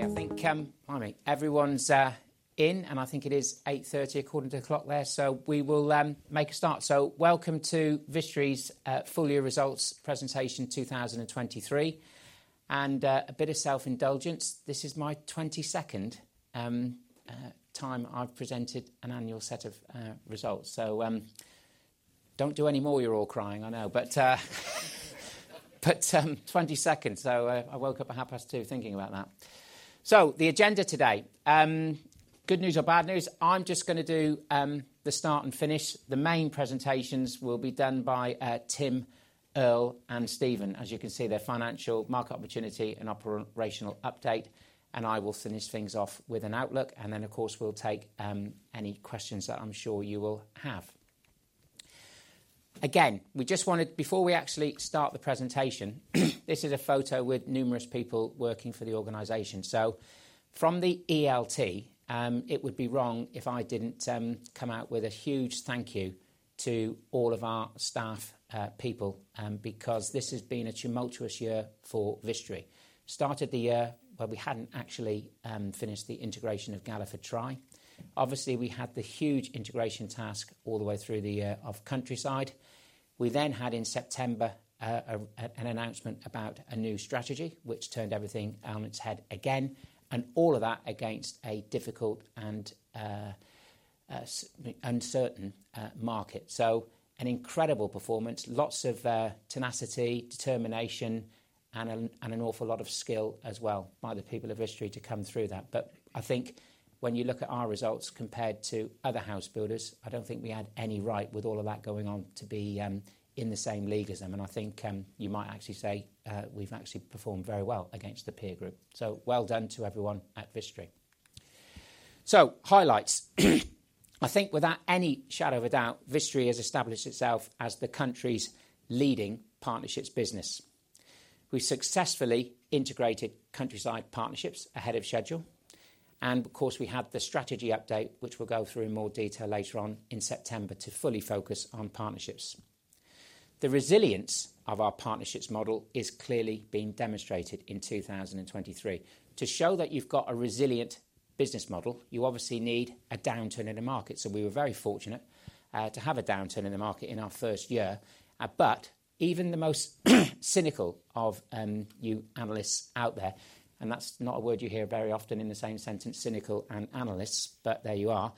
I think, pardon me, everyone's in, and I think it is 8:30 A.M. according to the clock there, so we will make a start. Welcome to Vistry's full year results presentation 2023. A bit of self-indulgence: this is my 22nd time I've presented an annual set of results. Don't do any more, you're all crying, I know, but 22nd, so I woke up at 2:30 A.M. thinking about that. The agenda today: good news or bad news, I'm just going to do the start and finish. The main presentations will be done by Tim, Earl, and Stephen, as you can see, their financial, market opportunity, and operational update. I will finish things off with an outlook, and then, of course, we'll take any questions that I'm sure you will have. Again, we just wanted, before we actually start the presentation, this is a photo with numerous people working for the organization. So from the ELT, it would be wrong if I didn't come out with a huge thank you to all of our staff, people, because this has been a tumultuous year for Vistry. Started the year where we hadn't actually finished the integration of Galliford Try. Obviously, we had the huge integration task all the way through the year of Countryside. We then had in September an announcement about a new strategy, which turned everything on its head again, and all of that against a difficult and uncertain market. So an incredible performance, lots of tenacity, determination, and an awful lot of skill as well by the people of Vistry to come through that. But I think when you look at our results compared to other house builders, I don't think we had any right with all of that going on to be in the same league as them. And I think you might actually say we've actually performed very well against the peer group. So well done to everyone at Vistry. So highlights. I think without any shadow of a doubt, Vistry has established itself as the country's leading partnerships business. We successfully integrated Countryside Partnerships ahead of schedule, and of course we had the strategy update, which we'll go through in more detail later on in September, to fully focus on partnerships. The resilience of our partnerships model is clearly being demonstrated in 2023. To show that you've got a resilient business model, you obviously need a downturn in a market. So we were very fortunate to have a downturn in the market in our first year. But even the most cynical of you analysts out there and that's not a word you hear very often in the same sentence, cynical and analysts, but there you are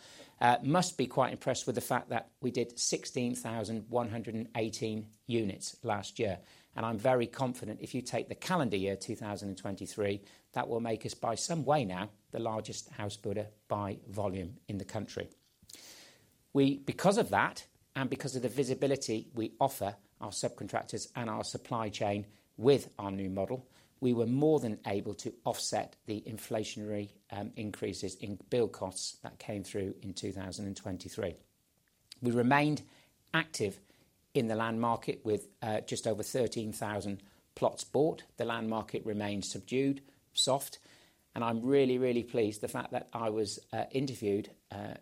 must be quite impressed with the fact that we did 16,118 units last year. And I'm very confident if you take the calendar year 2023 that will make us by some way now the largest house builder by volume in the country. We, because of that and because of the visibility we offer our subcontractors and our supply chain with our new model, were more than able to offset the inflationary increases in build costs that came through in 2023. We remained active in the land market with just over 13,000 plots bought. The land market remained subdued, soft. I'm really, really pleased the fact that I was interviewed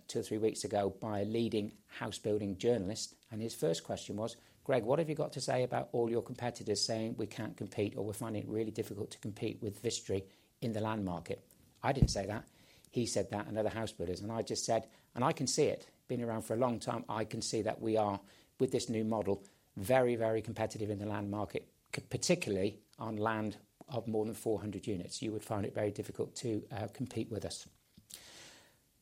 two or three weeks ago by a leading house building journalist. His first question was, "Greg, what have you got to say about all your competitors saying we can't compete or we're finding it really difficult to compete with Vistry in the land market?" I didn't say that. He said that and other house builders. I just said and I can see it. Being around for a long time, I can see that we are, with this new model, very, very competitive in the land market, particularly on land of more than 400 units. You would find it very difficult to compete with us.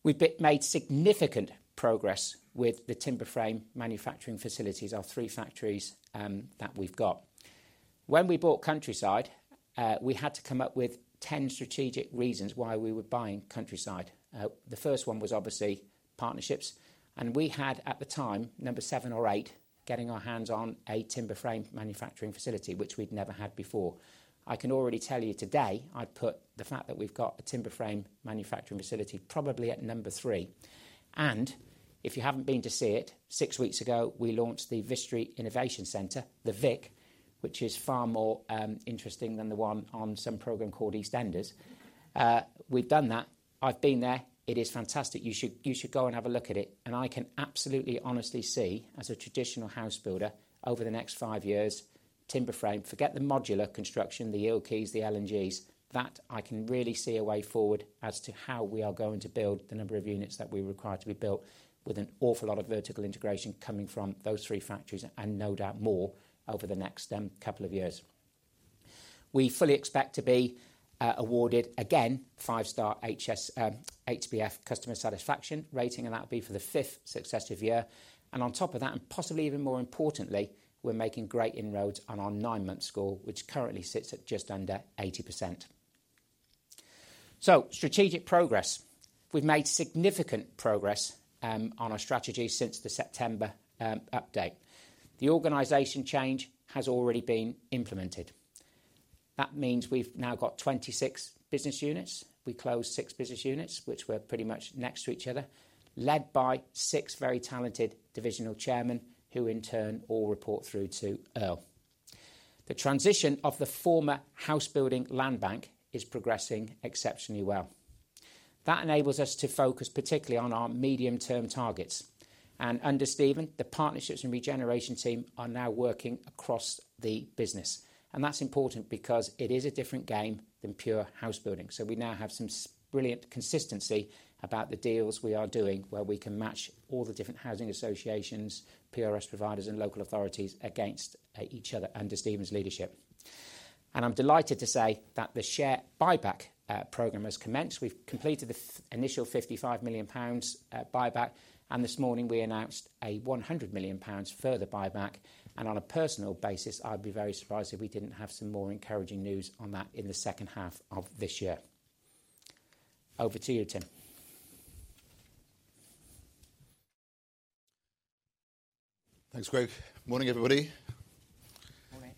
We've made significant progress with the timber frame manufacturing facilities, our three factories, that we've got. When we bought Countryside, we had to come up with 10 strategic reasons why we were buying Countryside. The first one was obviously partnerships. And we had, at the time, number seven or eight, getting our hands on a timber frame manufacturing facility, which we'd never had before. I can already tell you today I'd put the fact that we've got a timber frame manufacturing facility probably at number three. And if you haven't been to see it, six weeks ago we launched the Vistry Innovation Centre, the VIC, which is far more interesting than the one on some programme called EastEnders. We've done that. I've been there. It is fantastic. You should you should go and have a look at it. And I can absolutely, honestly see, as a traditional house builder, over the next five years, timber frame forget the modular construction, the L&Ks, the L&Gs that I can really see a way forward as to how we are going to build the number of units that we require to be built with an awful lot of vertical integration coming from those three factories and no doubt more over the next couple of years. We fully expect to be awarded again 5-star HBF customer satisfaction rating, and that will be for the fifth successive year. And on top of that, and possibly even more importantly, we're making great inroads on our nine-month score, which currently sits at just under 80%. So strategic progress. We've made significant progress on our strategy since the September update. The organization change has already been implemented. That means we've now got 26 business units. We closed six business units, which were pretty much next to each other, led by six very talented divisional chairmen who, in turn, all report through to Earl. The transition of the former house building land bank is progressing exceptionally well. That enables us to focus particularly on our medium-term targets. Under Stephen, the partnerships and regeneration team are now working across the business. That's important because it is a different game than pure house building. We now have some brilliant consistency about the deals we are doing where we can match all the different housing associations, PRS providers, and local authorities against each other under Stephen's leadership. I'm delighted to say that the share buyback programme has commenced. We've completed the initial 55 million pounds buyback, and this morning we announced a 100 million pounds further buyback. On a personal basis, I'd be very surprised if we didn't have some more encouraging news on that in the second half of this year. Over to you, Tim. Thanks, Greg. Morning, everybody. Morning.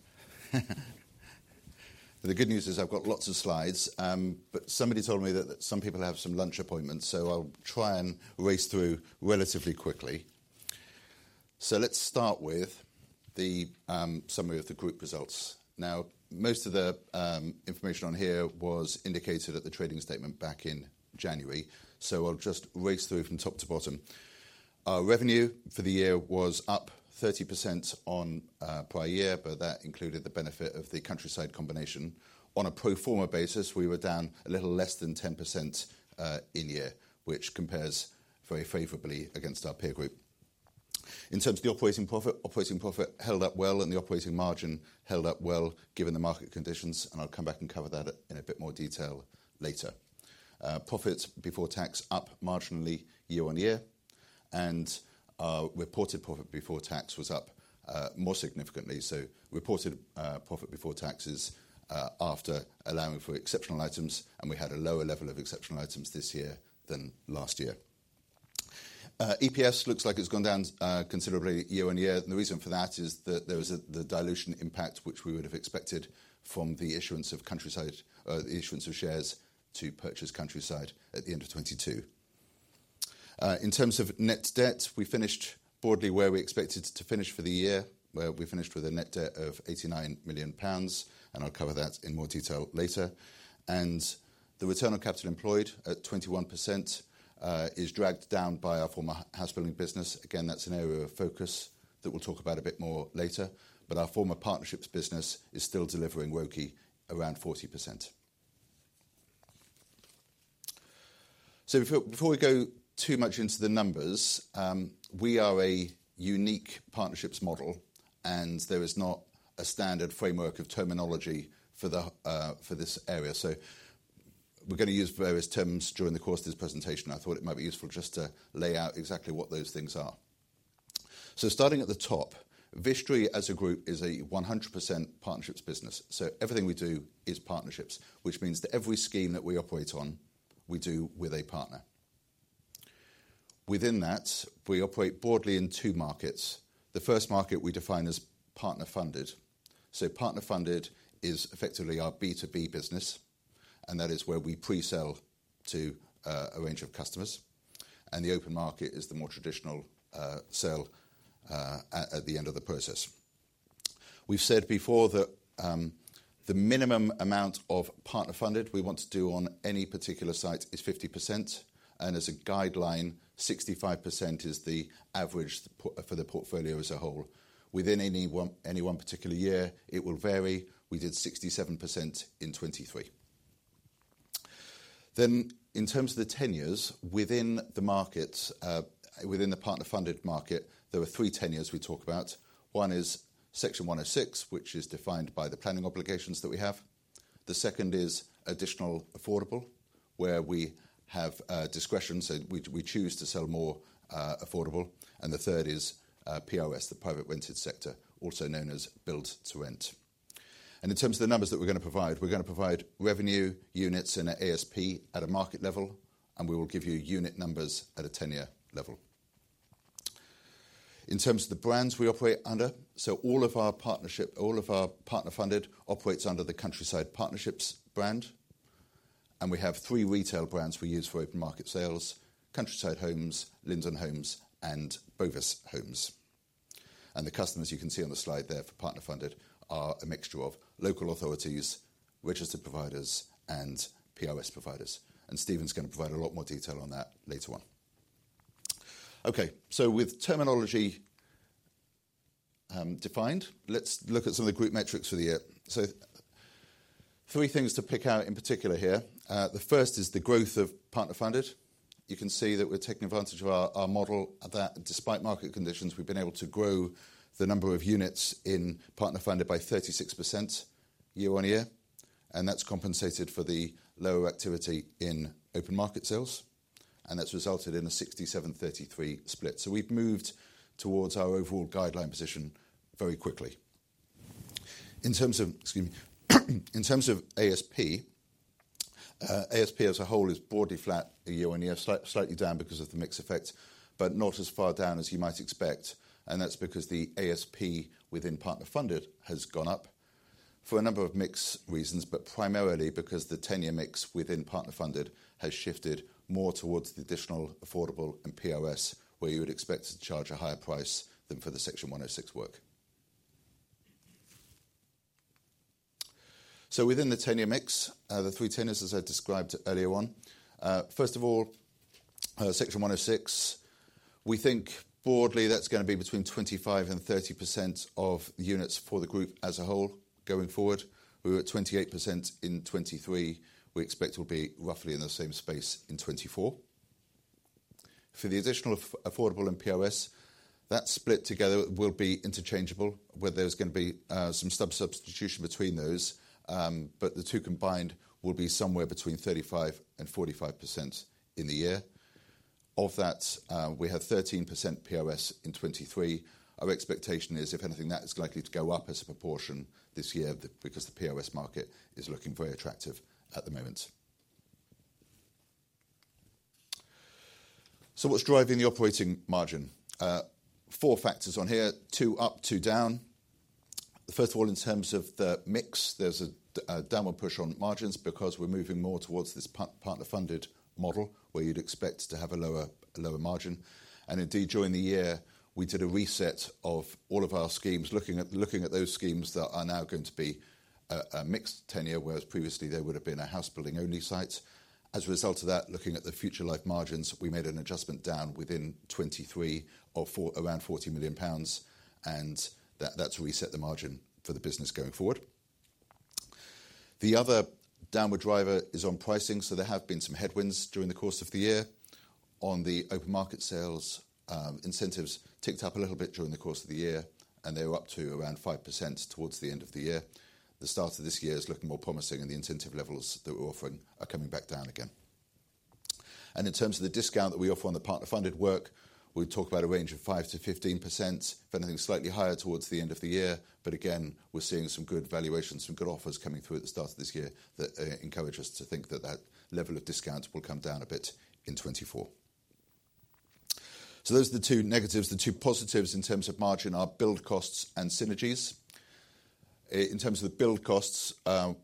The good news is I've got lots of slides, but somebody told me that some people have some lunch appointments, so I'll try and race through relatively quickly. So let's start with the summary of the group results. Now, most of the information on here was indicated at the trading statement back in January, so I'll just race through from top to bottom. Our revenue for the year was up 30% on prior year, but that included the benefit of the countryside combination. On a pro forma basis, we were down a little less than 10% in year, which compares very favorably against our peer group. In terms of the operating profit, operating profit held up well, and the operating margin held up well given the market conditions, and I'll come back and cover that in a bit more detail later. Profits before tax up marginally year-on-year, and reported profit before tax was up more significantly. So reported profit before tax is after allowing for exceptional items, and we had a lower level of exceptional items this year than last year. EPS looks like it's gone down considerably year-on-year. And the reason for that is that there was the dilution impact which we would have expected from the issuance of Countryside or the issuance of shares to purchase Countryside at the end of 2022. In terms of net debt, we finished broadly where we expected to finish for the year, where we finished with a net debt of 89 million pounds, and I'll cover that in more detail later. And the return on capital employed at 21% is dragged down by our former house building business. Again, that's an area of focus that we'll talk about a bit more later. But our former partnerships business is still delivering ROCE around 40%. So before we go too much into the numbers, we are a unique partnerships model, and there is not a standard framework of terminology for the, for this area. So we're going to use various terms during the course of this presentation. I thought it might be useful just to lay out exactly what those things are. So starting at the top, Vistry as a group is a 100% partnerships business. So everything we do is partnerships, which means that every scheme that we operate on, we do with a partner. Within that, we operate broadly in two markets. The first market we define as partner-funded. So partner-funded is effectively our B2B business, and that is where we pre-sell to, a range of customers. The open market is the more traditional sale at the end of the process. We've said before that the minimum amount of partner-funded we want to do on any particular site is 50%, and as a guideline, 65% is the average for the portfolio as a whole. Within any particular year, it will vary. We did 67% in 2023. In terms of the tenures within the markets, within the partner-funded market, there were three tenures we talk about. One is Section 106, which is defined by the planning obligations that we have. The second is additional affordable, where we have discretion, so we choose to sell more affordable. The third is PRS, the private rented sector, also known as build-to-rent. And in terms of the numbers that we're going to provide, we're going to provide revenue units in an ASP at a market level, and we will give you unit numbers at a tenure level. In terms of the brands we operate under so all of our partnership all of our partner-funded operates under the Countryside Partnerships brand. And we have three retail brands we use for open market sales: Countryside Homes, Linden Homes, and Bovis Homes. And the customers, you can see on the slide there for partner-funded, are a mixture of local authorities, registered providers, and PRS providers. And Stephen's going to provide a lot more detail on that later on. Okay, so with terminology defined, let's look at some of the group metrics for the year. So three things to pick out in particular here. The first is the growth of partner-funded. You can see that we're taking advantage of our model that, despite market conditions, we've been able to grow the number of units in partner-funded by 36% year-on-year. That's compensated for the lower activity in open market sales. That's resulted in a 67/33 split. We've moved towards our overall guideline position very quickly. In terms of, excuse me, ASP, ASP as a whole is broadly flat year-on-year, slightly down because of the mix effect, but not as far down as you might expect. That's because the ASP within partner-funded has gone up for a number of mixed reasons, but primarily because the tenure mix within partner-funded has shifted more towards the additional affordable and PRS, where you would expect to charge a higher price than for the Section 106 work. So within the tenure mix, the three tenures, as I described earlier on, first of all, Section 106, we think broadly that's going to be between 25%-30% of units for the group as a whole going forward. We were at 28% in 2023. We expect it will be roughly in the same space in 2024. For the additional affordable and PRS, that split together will be interchangeable, where there's going to be, some sort of substitution between those. But the two combined will be somewhere between 35%-45% in the year. Of that, we have 13% PRS in 2023. Our expectation is, if anything, that is likely to go up as a proportion this year because the PRS market is looking very attractive at the moment. So what's driving the operating margin? four factors on here, two up, two down. First of all, in terms of the mix, there's a downward push on margins because we're moving more towards this partner-funded model where you'd expect to have a lower margin. Indeed, during the year, we did a reset of all of our schemes, looking at those schemes that are now going to be a mixed tenure, whereas previously they would have been a house building only site. As a result of that, looking at the future life margins, we made an adjustment down within 2023 of around 40 million pounds, and that's reset the margin for the business going forward. The other downward driver is on pricing. So there have been some headwinds during the course of the year. On the open market sales, incentives ticked up a little bit during the course of the year, and they were up to around 5% towards the end of the year. The start of this year is looking more promising, and the incentive levels that we're offering are coming back down again. In terms of the discount that we offer on the partner-funded work, we'd talk about a range of 5%-15%, if anything slightly higher towards the end of the year. Again, we're seeing some good valuations, some good offers coming through at the start of this year that encourage us to think that that level of discount will come down a bit in 2024. Those are the two negatives. The two positives in terms of margin are build costs and synergies. In terms of the build costs, I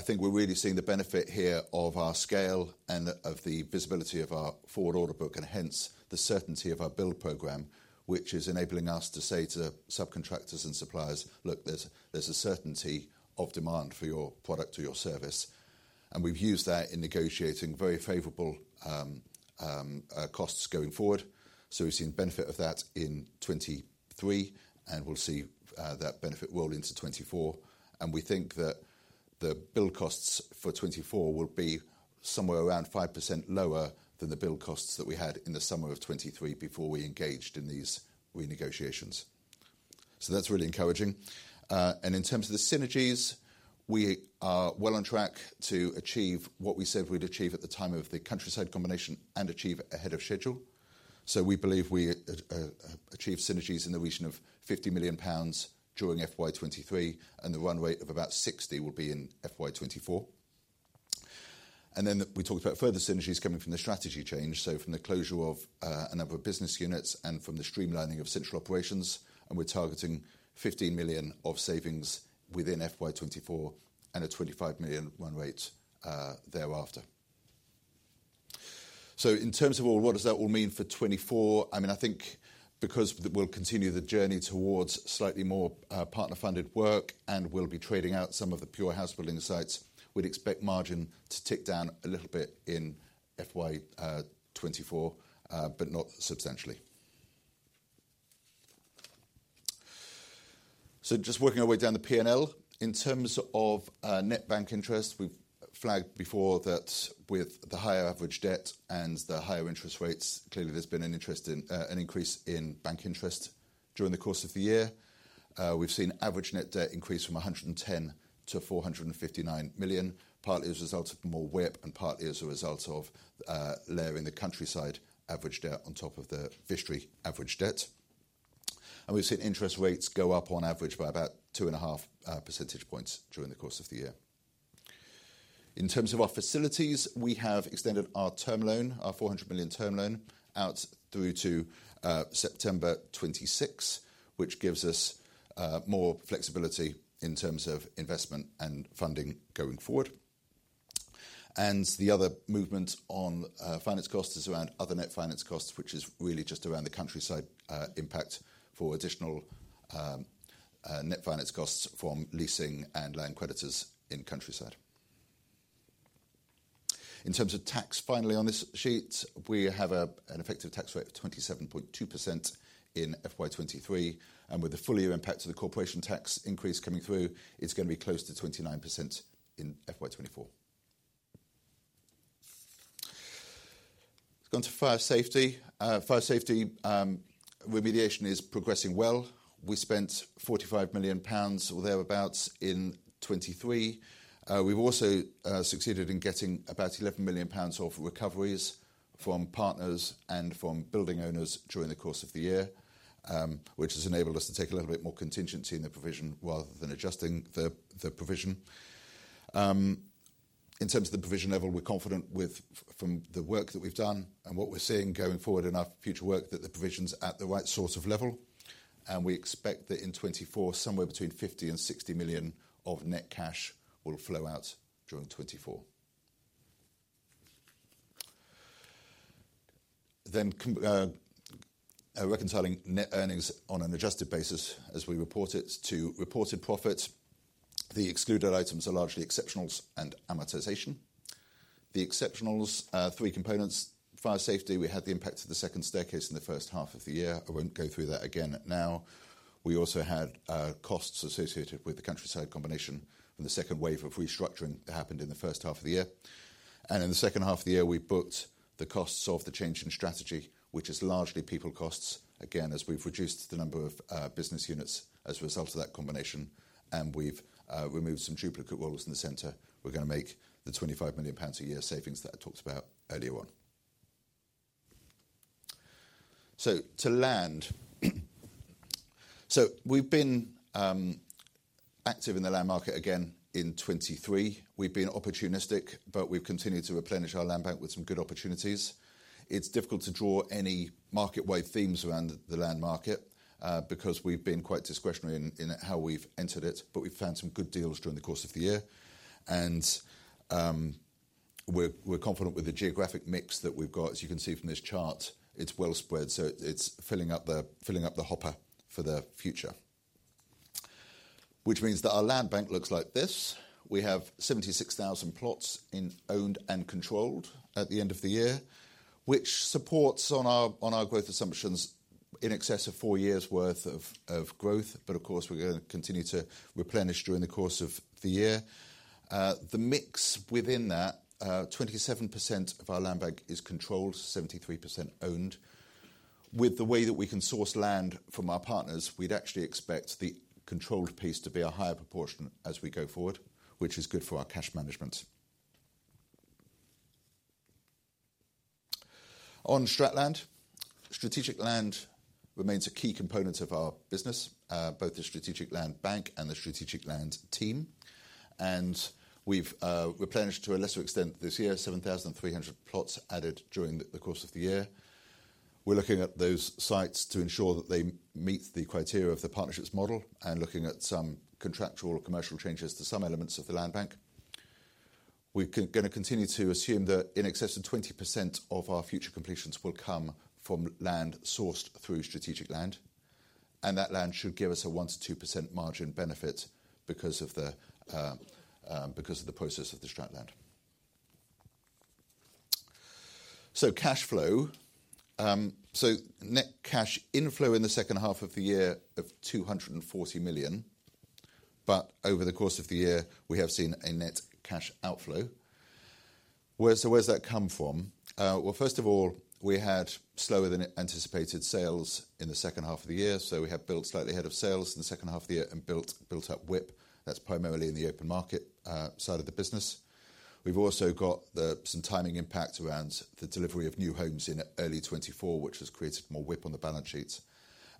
think we're really seeing the benefit here of our scale and of the visibility of our forward order book, and hence the certainty of our build programme, which is enabling us to say to subcontractors and suppliers, "Look, there's a certainty of demand for your product or your service." And we've used that in negotiating very favourable costs going forward. So we've seen benefit of that in 2023, and we'll see that benefit roll into 2024. And we think that the build costs for 2024 will be somewhere around 5% lower than the build costs that we had in the summer of 2023 before we engaged in these renegotiations. So that's really encouraging. In terms of the synergies, we are well on track to achieve what we said we'd achieve at the time of the Countryside combination and achieve ahead of schedule. So we believe we achieve synergies in the region of 50 million pounds during FY 2023, and the run rate of about 60 million will be in FY 2024. And then we talked about further synergies coming from the strategy change, so from the closure of a number of business units and from the streamlining of central operations. And we're targeting 15 million of savings within FY 2024 and a 25 million run rate thereafter. So in terms of all, what does that all mean for 2024? I mean, I think because we'll continue the journey towards slightly more partner-funded work and we'll be trading out some of the pure house building sites, we'd expect margin to tick down a little bit in FY 2024, but not substantially. So just working our way down the P&L, in terms of net bank interest, we've flagged before that with the higher average debt and the higher interest rates, clearly there's been an interest in an increase in bank interest during the course of the year. We've seen average net debt increase from 110 million-459 million, partly as a result of more WIP and partly as a result of layering the Countryside average debt on top of the Vistry average debt. And we've seen interest rates go up on average by about 2.5 percentage points during the course of the year. In terms of our facilities, we have extended our term loan, our 400 million term loan, out through to September 2026, which gives us more flexibility in terms of investment and funding going forward. And the other movement on finance costs is around other net finance costs, which is really just around the Countryside impact for additional net finance costs from leasing and land creditors in Countryside. In terms of tax, finally, on this sheet, we have an effective tax rate of 27.2% in FY 2023. And with the full year impact of the corporation tax increase coming through, it's going to be close to 29% in FY 2024. It's gone to fire safety. Fire safety remediation is progressing well. We spent 45 million pounds or thereabouts in 2023. We've also succeeded in getting about 11 million pounds of recoveries from partners and from building owners during the course of the year, which has enabled us to take a little bit more contingency in the provision rather than adjusting the provision. In terms of the provision level, we're confident with from the work that we've done and what we're seeing going forward in our future work that the provision's at the right sort of level. And we expect that in 2024, somewhere between 50 million and 60 million of net cash will flow out during 2024. Then, reconciling net earnings on an adjusted basis as we report it to reported profit. The excluded items are largely exceptionals and amortization. The exceptionals, three components. Fire safety, we had the impact of the second staircase in the first half of the year. I won't go through that again now. We also had costs associated with the Countryside combination and the second wave of restructuring that happened in the first half of the year. In the second half of the year, we booked the costs of the change in strategy, which is largely people costs. Again, as we've reduced the number of business units as a result of that combination, and we've removed some duplicate roles in the center, we're going to make the 25 million pounds a year savings that I talked about earlier on. So to land. So we've been active in the land market again in 2023. We've been opportunistic, but we've continued to replenish our land bank with some good opportunities. It's difficult to draw any market-wide themes around the land market, because we've been quite discretionary in how we've entered it, but we've found some good deals during the course of the year. And, we're confident with the geographic mix that we've got. As you can see from this chart, it's well spread, so it's filling up the hopper for the future, which means that our land bank looks like this. We have 76,000 plots in owned and controlled at the end of the year, which supports our growth assumptions in excess of four years' worth of growth. But of course, we're going to continue to replenish during the course of the year. The mix within that, 27% of our land bank is controlled, 73% owned. With the way that we can source land from our partners, we'd actually expect the controlled piece to be a higher proportion as we go forward, which is good for our cash management. On strategic land, strategic land remains a key component of our business, both the strategic land bank and the strategic land team. And we've replenished to a lesser extent this year, 7,300 plots added during the course of the year. We're looking at those sites to ensure that they meet the criteria of the partnership's model and looking at some contractual or commercial changes to some elements of the land bank. We're going to continue to assume that in excess of 20% of our future completions will come from land sourced through Strategic Land. And that land should give us a 1%-2% margin benefit because of the process of the Strategic Land. So cash flow, so net cash inflow in the second half of the year of 240 million. But over the course of the year, we have seen a net cash outflow. Where's that come from? Well, first of all, we had slower than anticipated sales in the second half of the year. So we have built slightly ahead of sales in the second half of the year and built up WIP. That's primarily in the open market side of the business. We've also got some timing impact around the delivery of new homes in early 2024, which has created more WIP on the balance sheets.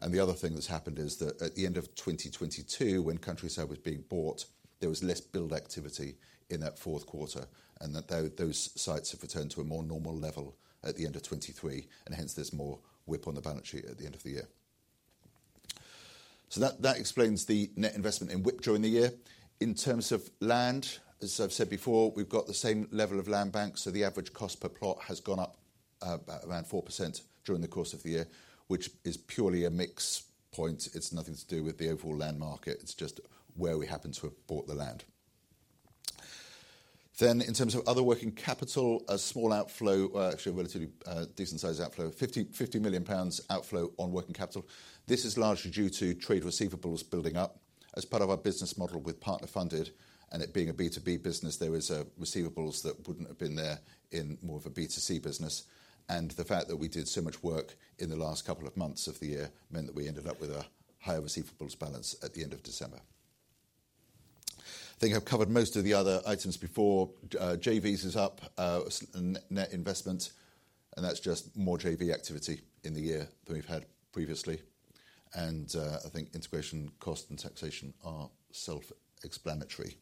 The other thing that's happened is that at the end of 2022, when Countryside was being bought, there was less build activity in that fourth quarter and those sites have returned to a more normal level at the end of 2023. Hence, there's more WIP on the balance sheet at the end of the year. That explains the net investment in WIP during the year. In terms of land, as I've said before, we've got the same level of land bank. So the average cost per plot has gone up, around 4% during the course of the year, which is purely a mix point. It's nothing to do with the overall land market. It's just where we happen to have bought the land. Then in terms of other working capital, a small outflow, actually a relatively, decent-sized outflow, 50 million pounds outflow on working capital. This is largely due to trade receivables building up as part of our business model with partner-funded and it being a B2B business. There is a receivables that wouldn't have been there in more of a B2C business. And the fact that we did so much work in the last couple of months of the year meant that we ended up with a higher receivables balance at the end of December. I think I've covered most of the other items before. JVs is up, net investment, and that's just more JV activity in the year than we've had previously. And, I think integration cost and taxation are self-explanatory.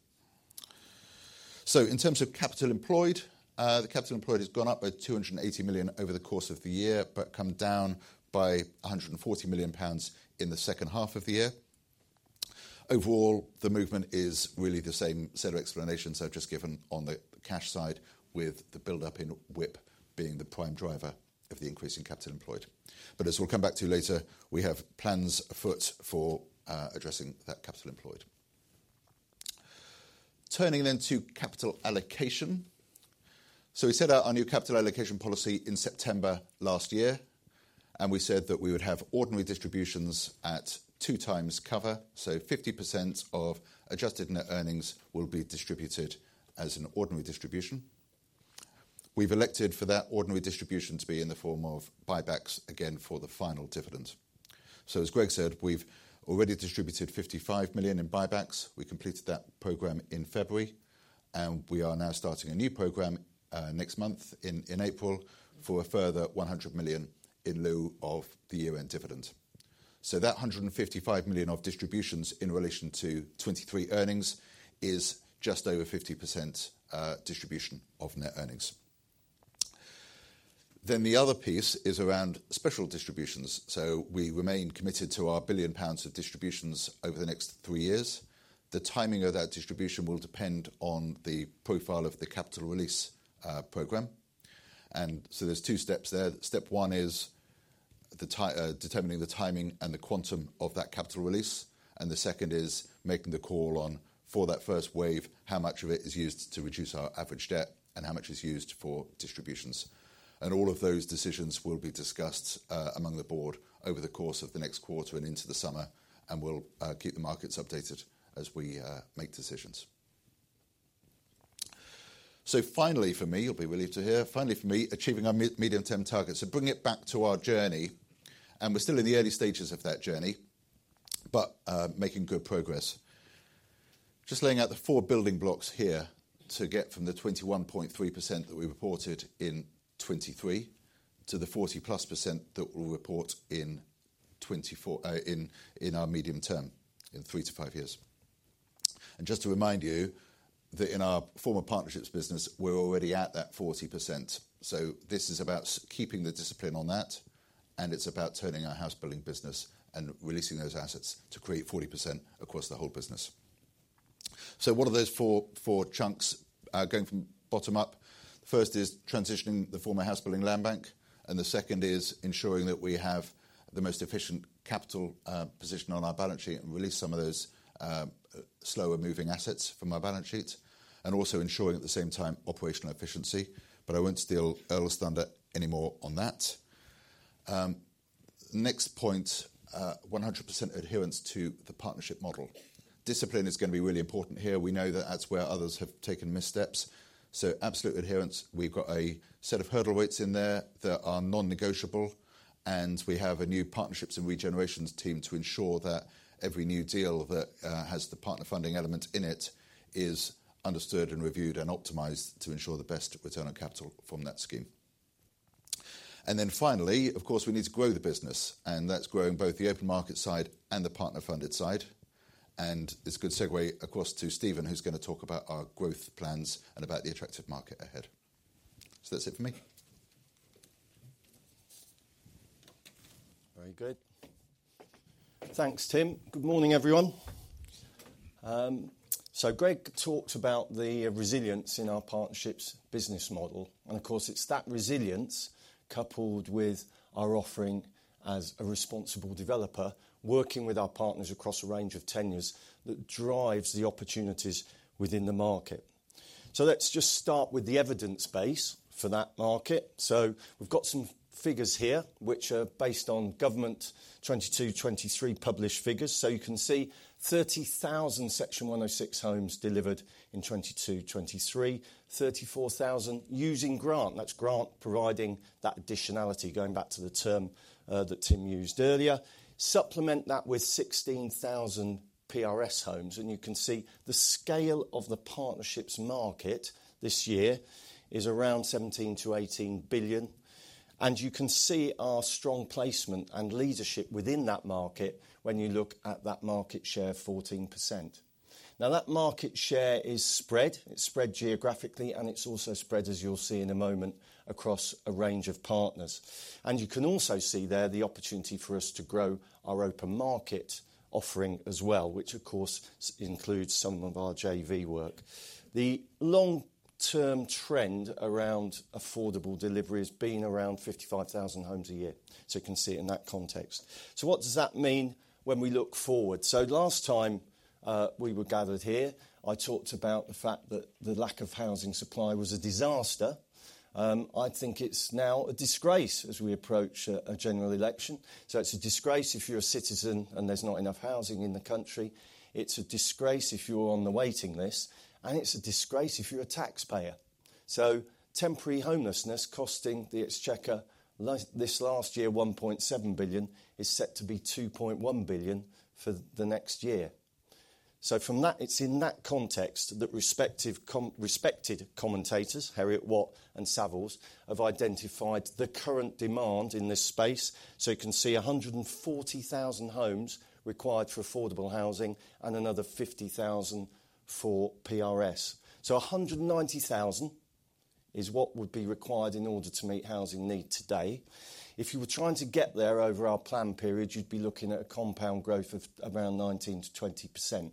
So in terms of capital employed, the capital employed has gone up by 280 million over the course of the year, but come down by 140 million pounds in the second half of the year. Overall, the movement is really the same set of explanations I've just given on the cash side with the buildup in WIP being the prime driver of the increasing capital employed. But as we'll come back to later, we have plans afoot for, addressing that capital employed. Turning then to capital allocation. So we set out our new capital allocation policy in September last year, and we said that we would have ordinary distributions at 2x cover. So 50% of adjusted net earnings will be distributed as an ordinary distribution. We've elected for that ordinary distribution to be in the form of buybacks again for the final dividend. So as Greg said, we've already distributed 55 million in buybacks. We completed that programme in February, and we are now starting a new programme, next month in April for a further 100 million in lieu of the year-end dividend. So that 155 million of distributions in relation to 2023 earnings is just over 50% distribution of net earnings. Then the other piece is around special distributions. So we remain committed to our 1 billion pounds of distributions over the next three years. The timing of that distribution will depend on the profile of the capital release programme. And so there's two steps there. Step one is the time, determining the timing and the quantum of that capital release. The second is making the call on for that first wave, how much of it is used to reduce our average debt and how much is used for distributions. All of those decisions will be discussed among the board over the course of the next quarter and into the summer, and we'll keep the markets updated as we make decisions. Finally, for me, you'll be relieved to hear, finally for me, achieving our medium-term targets. Bring it back to our journey. We're still in the early stages of that journey, but making good progress. Just laying out the four building blocks here to get from the 21.3% that we reported in 2023 to the 40+% that we'll report in 2024, in our medium-term in three to five years. And just to remind you that in our former partnerships business, we're already at that 40%. So this is about keeping the discipline on that, and it's about turning our house building business and releasing those assets to create 40% across the whole business. So what are those four chunks, going from bottom up? The first is transitioning the former house building land bank, and the second is ensuring that we have the most efficient capital position on our balance sheet and release some of those slower moving assets from our balance sheet, and also ensuring at the same time operational efficiency. But I won't steal Earl's thunder any more on that. Next point, 100% adherence to the partnership model. Discipline is going to be really important here. We know that that's where others have taken missteps. So absolute adherence. We've got a set of hurdle weights in there that are non-negotiable, and we have a new partnerships and regenerations team to ensure that every new deal that has the partner funding element in it is understood and reviewed and optimized to ensure the best return on capital from that scheme. And then finally, of course, we need to grow the business, and that's growing both the open market side and the partner-funded side. And it's a good segue across to Stephen, who's going to talk about our growth plans and about the attractive market ahead. So that's it for me. Very good. Thanks, Tim. Good morning, everyone. So Greg talked about the resilience in our partnerships business model. And of course, it's that resilience coupled with our offering as a responsible developer, working with our partners across a range of tenures that drives the opportunities within the market. So let's just start with the evidence base for that market. So we've got some figures here, which are based on government 2022-2023 published figures. So you can see 30,000 Section 106 homes delivered in 2022-2023, 34,000 using grant. That's grant providing that additionality, going back to the term that Tim used earlier. Supplement that with 16,000 PRS homes. And you can see the scale of the partnerships market this year is around 17 billion-18 billion. And you can see our strong placement and leadership within that market when you look at that market share, 14%. Now, that market share is spread. It's spread geographically, and it's also spread, as you'll see in a moment, across a range of partners. And you can also see there the opportunity for us to grow our open market offering as well, which of course includes some of our JV work. The long-term trend around affordable delivery has been around 55,000 homes a year. You can see it in that context. What does that mean when we look forward? Last time, we were gathered here, I talked about the fact that the lack of housing supply was a disaster. I think it's now a disgrace as we approach a general election. It's a disgrace if you're a citizen and there's not enough housing in the country. It's a disgrace if you're on the waiting list. It's a disgrace if you're a taxpayer. Temporary homelessness costing the Exchequer this last year, 1.7 billion, is set to be 2.1 billion for the next year. From that, it's in that context that respective respected commentators, Heriot-Watt and Savills, have identified the current demand in this space. So you can see 140,000 homes required for affordable housing and another 50,000 for PRS. So 190,000 is what would be required in order to meet housing need today. If you were trying to get there over our plan period, you'd be looking at a compound growth of around 19%-20%.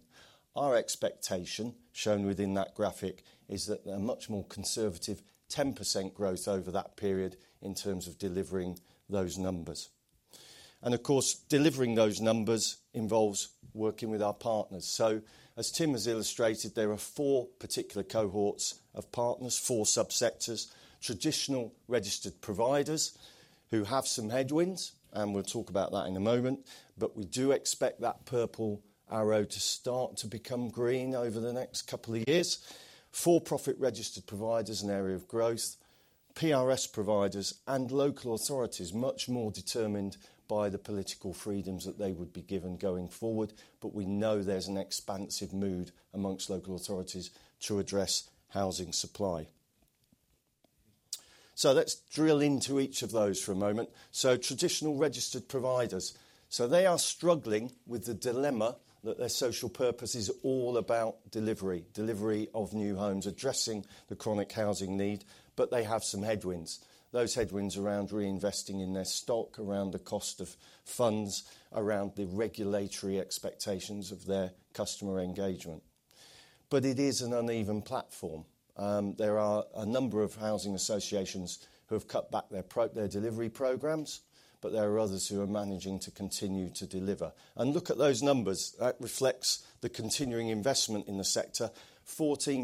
Our expectation shown within that graphic is that a much more conservative 10% growth over that period in terms of delivering those numbers. And of course, delivering those numbers involves working with our partners. So as Tim has illustrated, there are four particular cohorts of partners, four subsectors, traditional registered providers who have some headwinds, and we'll talk about that in a moment. But we do expect that purple arrow to start to become green over the next couple of years. For-profit registered providers, an area of growth. PRS providers and local authorities, much more determined by the political freedoms that they would be given going forward. But we know there's an expansive mood among local authorities to address housing supply. So let's drill into each of those for a moment. So traditional registered providers. So they are struggling with the dilemma that their social purpose is all about delivery, delivery of new homes, addressing the chronic housing need, but they have some headwinds. Those headwinds around reinvesting in their stock, around the cost of funds, around the regulatory expectations of their customer engagement. But it is an uneven platform. There are a number of housing associations who have cut back their programmes, but there are others who are managing to continue to deliver. Look at those numbers. That reflects the continuing investment in the sector, GBP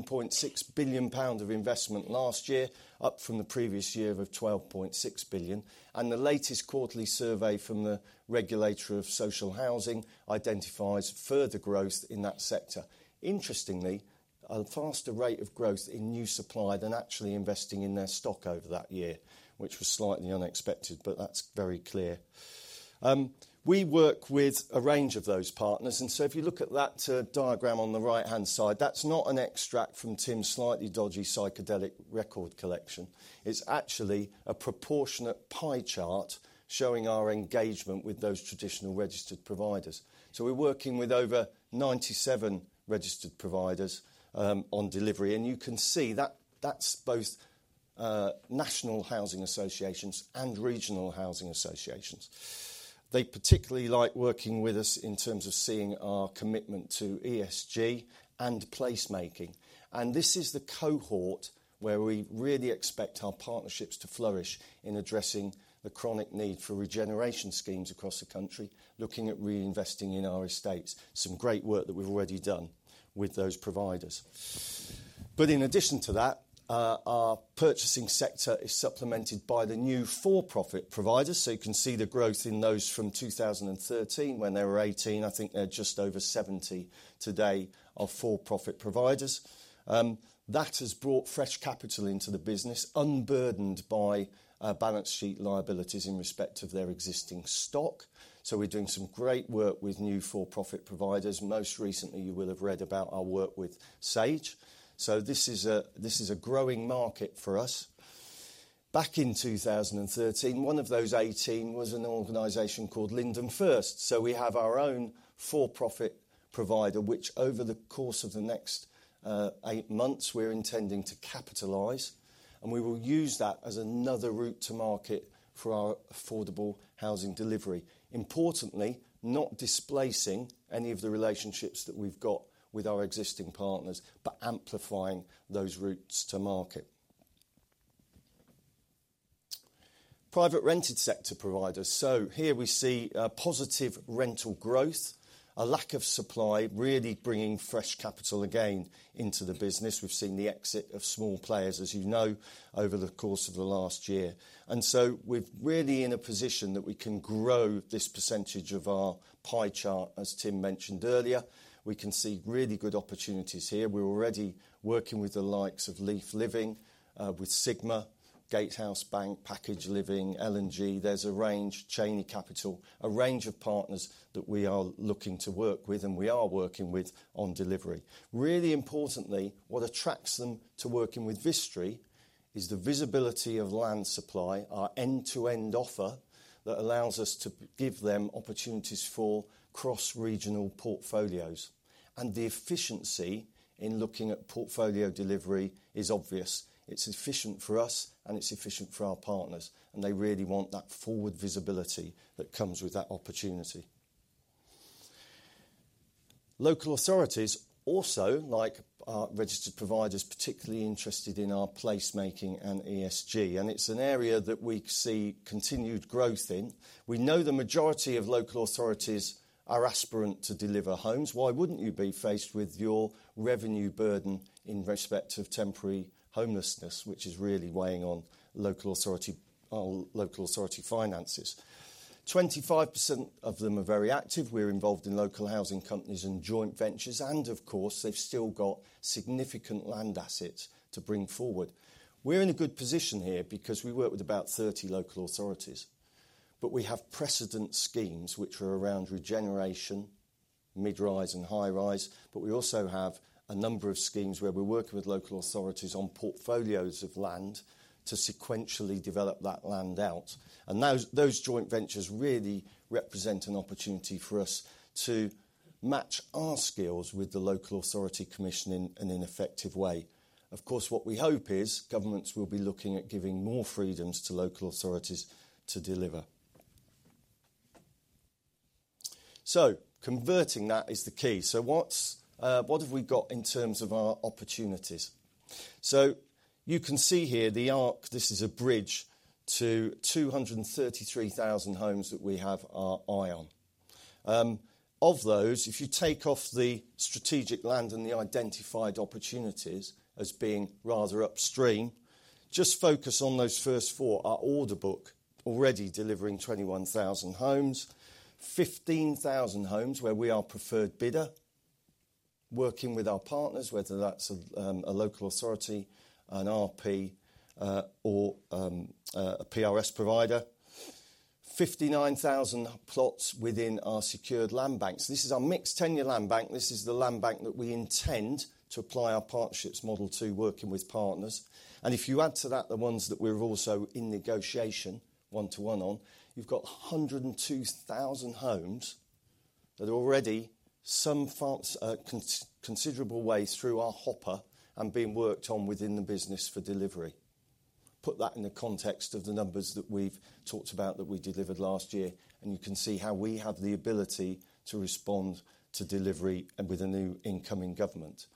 14.6 billion of investment last year, up from the previous year of GBP 12.6 billion. And the latest quarterly survey from the Regulator of Social Housing identifies further growth in that sector. Interestingly, a faster rate of growth in new supply than actually investing in their stock over that year, which was slightly unexpected, but that's very clear. We work with a range of those partners. And so if you look at that, diagram on the right-hand side, that's not an extract from Tim's slightly dodgy psychedelic record collection. It's actually a proportionate pie chart showing our engagement with those traditional registered providers. So we're working with over 97 registered providers, on delivery. And you can see that that's both, national housing associations and regional housing associations. They particularly like working with us in terms of seeing our commitment to ESG and placemaking. And this is the cohort where we really expect our partnerships to flourish in addressing the chronic need for regeneration schemes across the country, looking at reinvesting in our estates, some great work that we've already done with those providers. But in addition to that, our purchasing sector is supplemented by the new for-profit providers. So you can see the growth in those from 2013 when they were 18. I think they're just over 70 today of for-profit providers. That has brought fresh capital into the business, unburdened by balance sheet liabilities in respect of their existing stock. So we're doing some great work with new for-profit providers. Most recently, you will have read about our work with Sage. So this is a growing market for us. Back in 2013, one of those 18 was an organisation called Linden First. So we have our own for-profit provider, which over the course of the next eight months, we're intending to capitalise. And we will use that as another route to market for our affordable housing delivery. Importantly, not displacing any of the relationships that we've got with our existing partners, but amplifying those routes to market. Private rented sector providers. So here we see positive rental growth, a lack of supply, really bringing fresh capital again into the business. We've seen the exit of small players, as you know, over the course of the last year. And so we're really in a position that we can grow this percentage of our pie chart, as Tim mentioned earlier. We can see really good opportunities here. We're already working with the likes of Leaf Living, with Sigma, Gatehouse Bank, Packaged Living, L&G. There's a range, Cheyne Capital, a range of partners that we are looking to work with and we are working with on delivery. Really importantly, what attracts them to working with Vistry is the visibility of land supply, our end-to-end offer that allows us to give them opportunities for cross-regional portfolios. The efficiency in looking at portfolio delivery is obvious. It's efficient for us, and it's efficient for our partners. They really want that forward visibility that comes with that opportunity. Local authorities also, like our registered providers, are particularly interested in our placemaking and ESG. It's an area that we see continued growth in. We know the majority of local authorities are aspirant to deliver homes. Why wouldn't you be faced with your revenue burden in respect of temporary homelessness, which is really weighing on local authority local authority finances? 25% of them are very active. We're involved in local housing companies and joint ventures. Of course, they've still got significant land assets to bring forward. We're in a good position here because we work with about 30 local authorities. We have precedent schemes which are around regeneration, mid-rise and high-rise. We also have a number of schemes where we're working with local authorities on portfolios of land to sequentially develop that land out. Those joint ventures really represent an opportunity for us to match our skills with the local authority commission in an effective way. Of course, what we hope is governments will be looking at giving more freedoms to local authorities to deliver. Converting that is the key. What have we got in terms of our opportunities? You can see here the arc. This is a bridge to 233,000 homes that we have our eye on. Of those, if you take off the Strategic Land and the identified opportunities as being rather upstream, just focus on those first four. Our order book already delivering 21,000 homes, 15,000 homes where we are preferred bidder, working with our partners, whether that's a local authority, an RP, or a PRS provider, 59,000 plots within our secured land banks. This is our mixed tenure land bank. This is the land bank that we intend to apply our partnerships model to, working with partners. If you add to that the ones that we're also in negotiation one-to-one on, you've got 102,000 homes that are already some far considerable way through our hopper and being worked on within the business for delivery. Put that in the context of the numbers that we've talked about that we delivered last year. And you can see how we have the ability to respond to delivery with a new incoming government.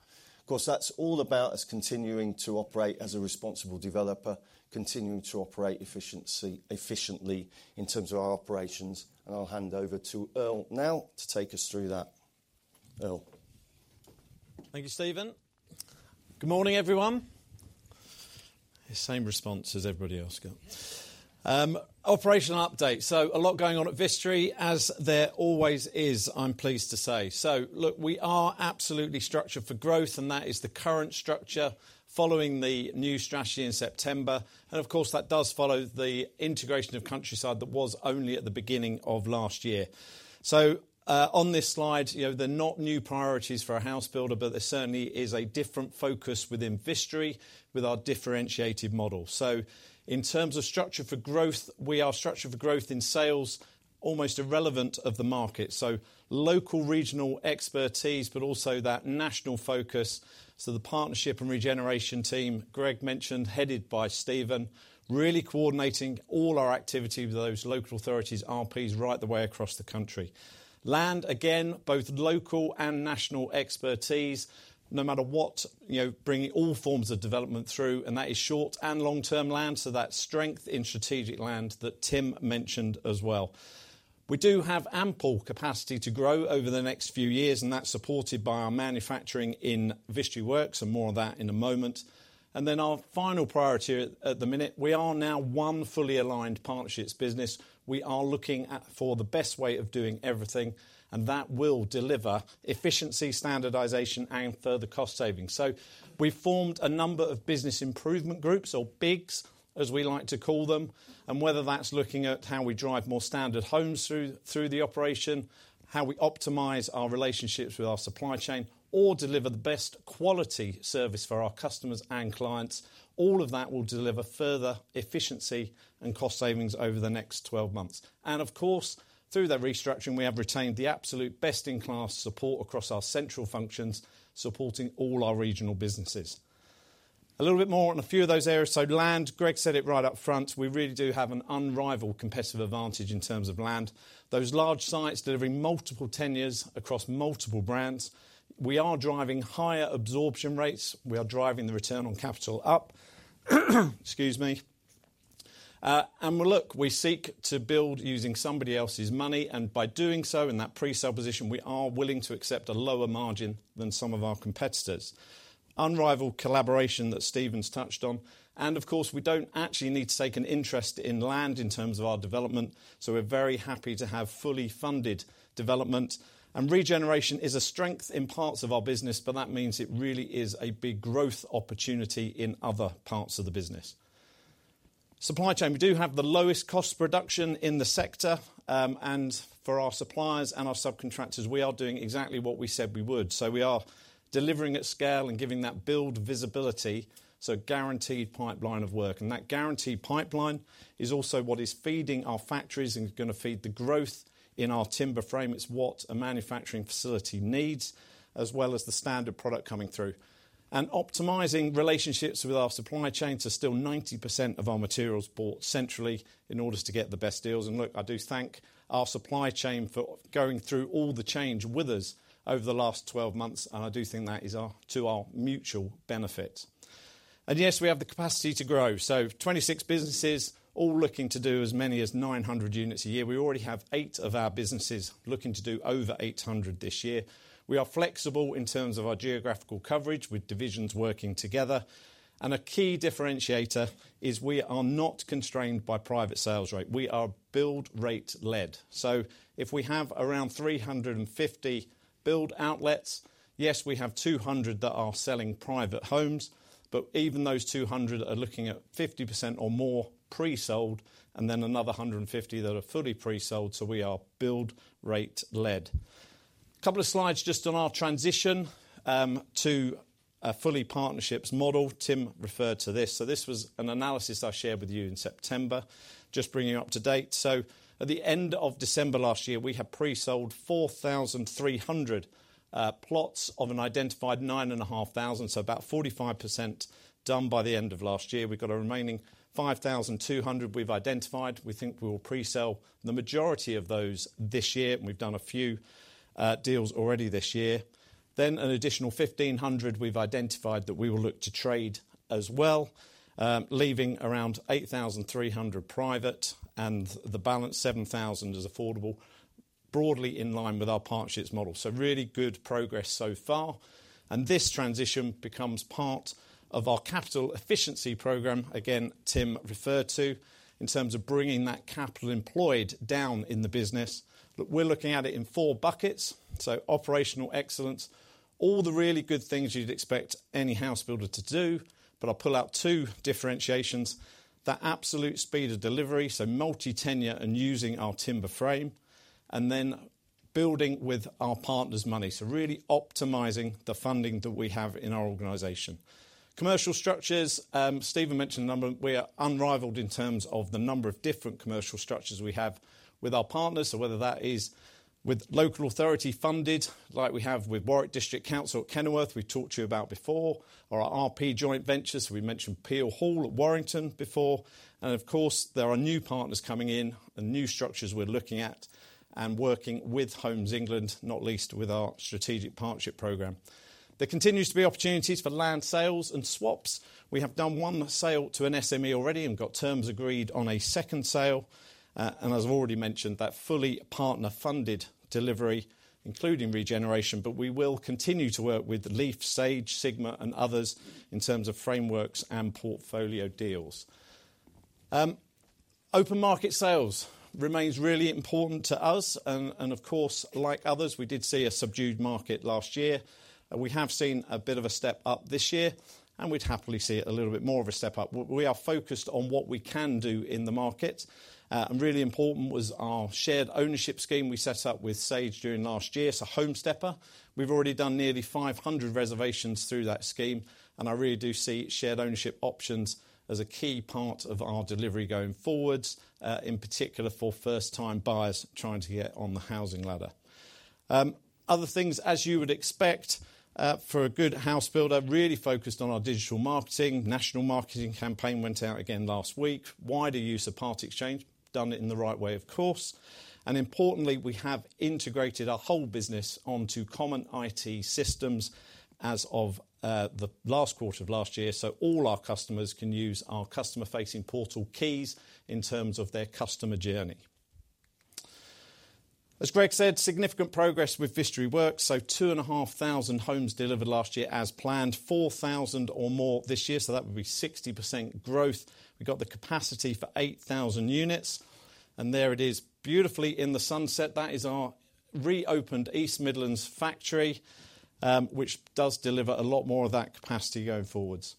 Of course, that's all about us continuing to operate as a responsible developer, continuing to operate efficiency efficiently in terms of our operations. And I'll hand over to Earl now to take us through that. Earl? Thank you, Stephen. Good morning, everyone. Same response as everybody else got. Operational update. So a lot going on at Vistry, as there always is, I'm pleased to say. So look, we are absolutely structured for growth, and that is the current structure following the new strategy in September. And of course, that does follow the integration of Countryside that was only at the beginning of last year. So, on this slide, you know, they're not new priorities for a house builder, but there certainly is a different focus within Vistry with our differentiated model. So in terms of structure for growth, we are structured for growth in sales, almost irrelevant of the market. So local regional expertise, but also that national focus. So the partnership and regeneration team, Greg mentioned, headed by Stephen, really coordinating all our activity with those local authorities, RPs, right the way across the country. Land, again, both local and national expertise, no matter what, you know, bringing all forms of development through. And that is short and long-term land. So that strength in strategic land that Tim mentioned as well. We do have ample capacity to grow over the next few years, and that's supported by our manufacturing in Vistry Works. And more of that in a moment. Our final priority at the minute is that we are now one fully aligned partnerships business. We are looking at for the best way of doing everything, and that will deliver efficiency, standardization, and further cost savings. We've formed a number of business improvement groups, or BIGs, as we like to call them. Whether that's looking at how we drive more standard homes through the operation, how we optimize our relationships with our supply chain, or deliver the best quality service for our customers and clients, all of that will deliver further efficiency and cost savings over the next 12 months. Of course, through that restructuring, we have retained the absolute best-in-class support across our central functions, supporting all our regional businesses. A little bit more on a few of those areas. Land, Greg said it right up front. We really do have an unrivaled competitive advantage in terms of land. Those large sites delivering multiple tenures across multiple brands. We are driving higher absorption rates. We are driving the return on capital up. Excuse me. And we'll look, we seek to build using somebody else's money. And by doing so, in that presale position, we are willing to accept a lower margin than some of our competitors. Unrivaled collaboration that Stephen's touched on. And of course, we don't actually need to take an interest in land in terms of our development. So we're very happy to have fully funded development. And regeneration is a strength in parts of our business, but that means it really is a big growth opportunity in other parts of the business. Supply chain. We do have the lowest cost production in the sector. For our suppliers and our subcontractors, we are doing exactly what we said we would. So we are delivering at scale and giving that build visibility, so a guaranteed pipeline of work. That guaranteed pipeline is also what is feeding our factories and is going to feed the growth in our timber frame. It's what a manufacturing facility needs, as well as the standard product coming through. Optimizing relationships with our supply chain to still 90% of our materials bought centrally in order to get the best deals. Look, I do thank our supply chain for going through all the change with us over the last 12 months. I do think that is to our mutual benefit. Yes, we have the capacity to grow. So 26 businesses all looking to do as many as 900 units a year. We already have eight of our businesses looking to do over 800 this year. We are flexible in terms of our geographical coverage with divisions working together. A key differentiator is we are not constrained by private sales rate. We are build rate-led. So if we have around 350 build outlets, yes, we have 200 that are selling private homes. But even those 200 are looking at 50% or more presold, and then another 150 that are fully presold. So we are build rate-led. A couple of slides just on our transition to a fully partnerships model. Tim referred to this. So this was an analysis I shared with you in September, just bringing you up to date. So at the end of December last year, we had presold 4,300 plots of an identified 9,500. So about 45% done by the end of last year. We've got a remaining 5,200 we've identified we think we will presell the majority of those this year. And we've done a few deals already this year. Then an additional 1,500 we've identified that we will look to trade as well, leaving around 8,300 private. And the balance 7,000 is affordable, broadly in line with our partnerships model. So really good progress so far. And this transition becomes part of our capital efficiency programme, again, Tim referred to, in terms of bringing that capital employed down in the business. Look, we're looking at it in four buckets. So operational excellence, all the really good things you'd expect any house builder to do. But I'll pull out two differentiations. That absolute speed of delivery, so multi-tenure and using our timber frame, and then building with our partners' money. So really optimizing the funding that we have in our organization. Commercial structures. Stephen mentioned a number. We are unrivaled in terms of the number of different commercial structures we have with our partners. So whether that is with local authority funded, like we have with Warwick District Council at Kenilworth we've talked to you about before, or our RP joint ventures. So we mentioned Peel Hall at Warrington before. And of course, there are new partners coming in and new structures we're looking at and working with Homes England, not least with our Strategic Partnership programme. There continues to be opportunities for land sales and swaps. We have done one sale to an SME already and got terms agreed on a second sale. And as I've already mentioned, that fully partner-funded delivery, including regeneration. But we will continue to work with Leaf, Sage, Sigma, and others in terms of frameworks and portfolio deals. Open market sales remains really important to us. And, of course, like others, we did see a subdued market last year. We have seen a bit of a step up this year. And we'd happily see a little bit more of a step up. We are focused on what we can do in the market. And really important was our shared ownership scheme we set up with Sage during last year, so Home Stepper. We've already done nearly 500 reservations through that scheme. And I really do see shared ownership options as a key part of our delivery going forwards, in particular for first-time buyers trying to get on the housing ladder. Other things, as you would expect, for a good house builder, really focused on our digital marketing. National marketing campaign went out again last week. Wider use of part exchange, done it in the right way, of course. And importantly, we have integrated our whole business onto common IT systems as of the last quarter of last year. So all our customers can use our customer-facing portal Keys in terms of their customer journey. As Greg said, significant progress with Vistry Works. So 2,500 homes delivered last year as planned, 4,000 or more this year. So that would be 60% growth. We've got the capacity for 8,000 units. And there it is, beautifully in the sunset. That is our reopened East Midlands factory, which does deliver a lot more of that capacity going forwards.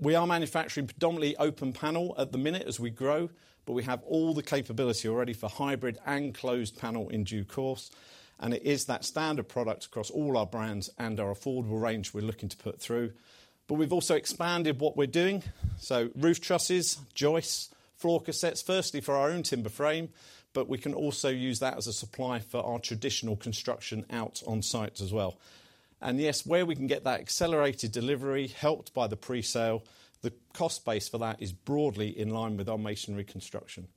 We are manufacturing predominantly open panel at the minute as we grow. But we have all the capability already for hybrid and closed panel in due course. And it is that standard product across all our brands and our affordable range we're looking to put through. But we've also expanded what we're doing. So roof trusses, joist floor cassettes, firstly for our own timber frame. But we can also use that as a supply for our traditional construction out on sites as well. And yes, where we can get that accelerated delivery helped by the presale, the cost base for that is broadly in line with our masonry construction.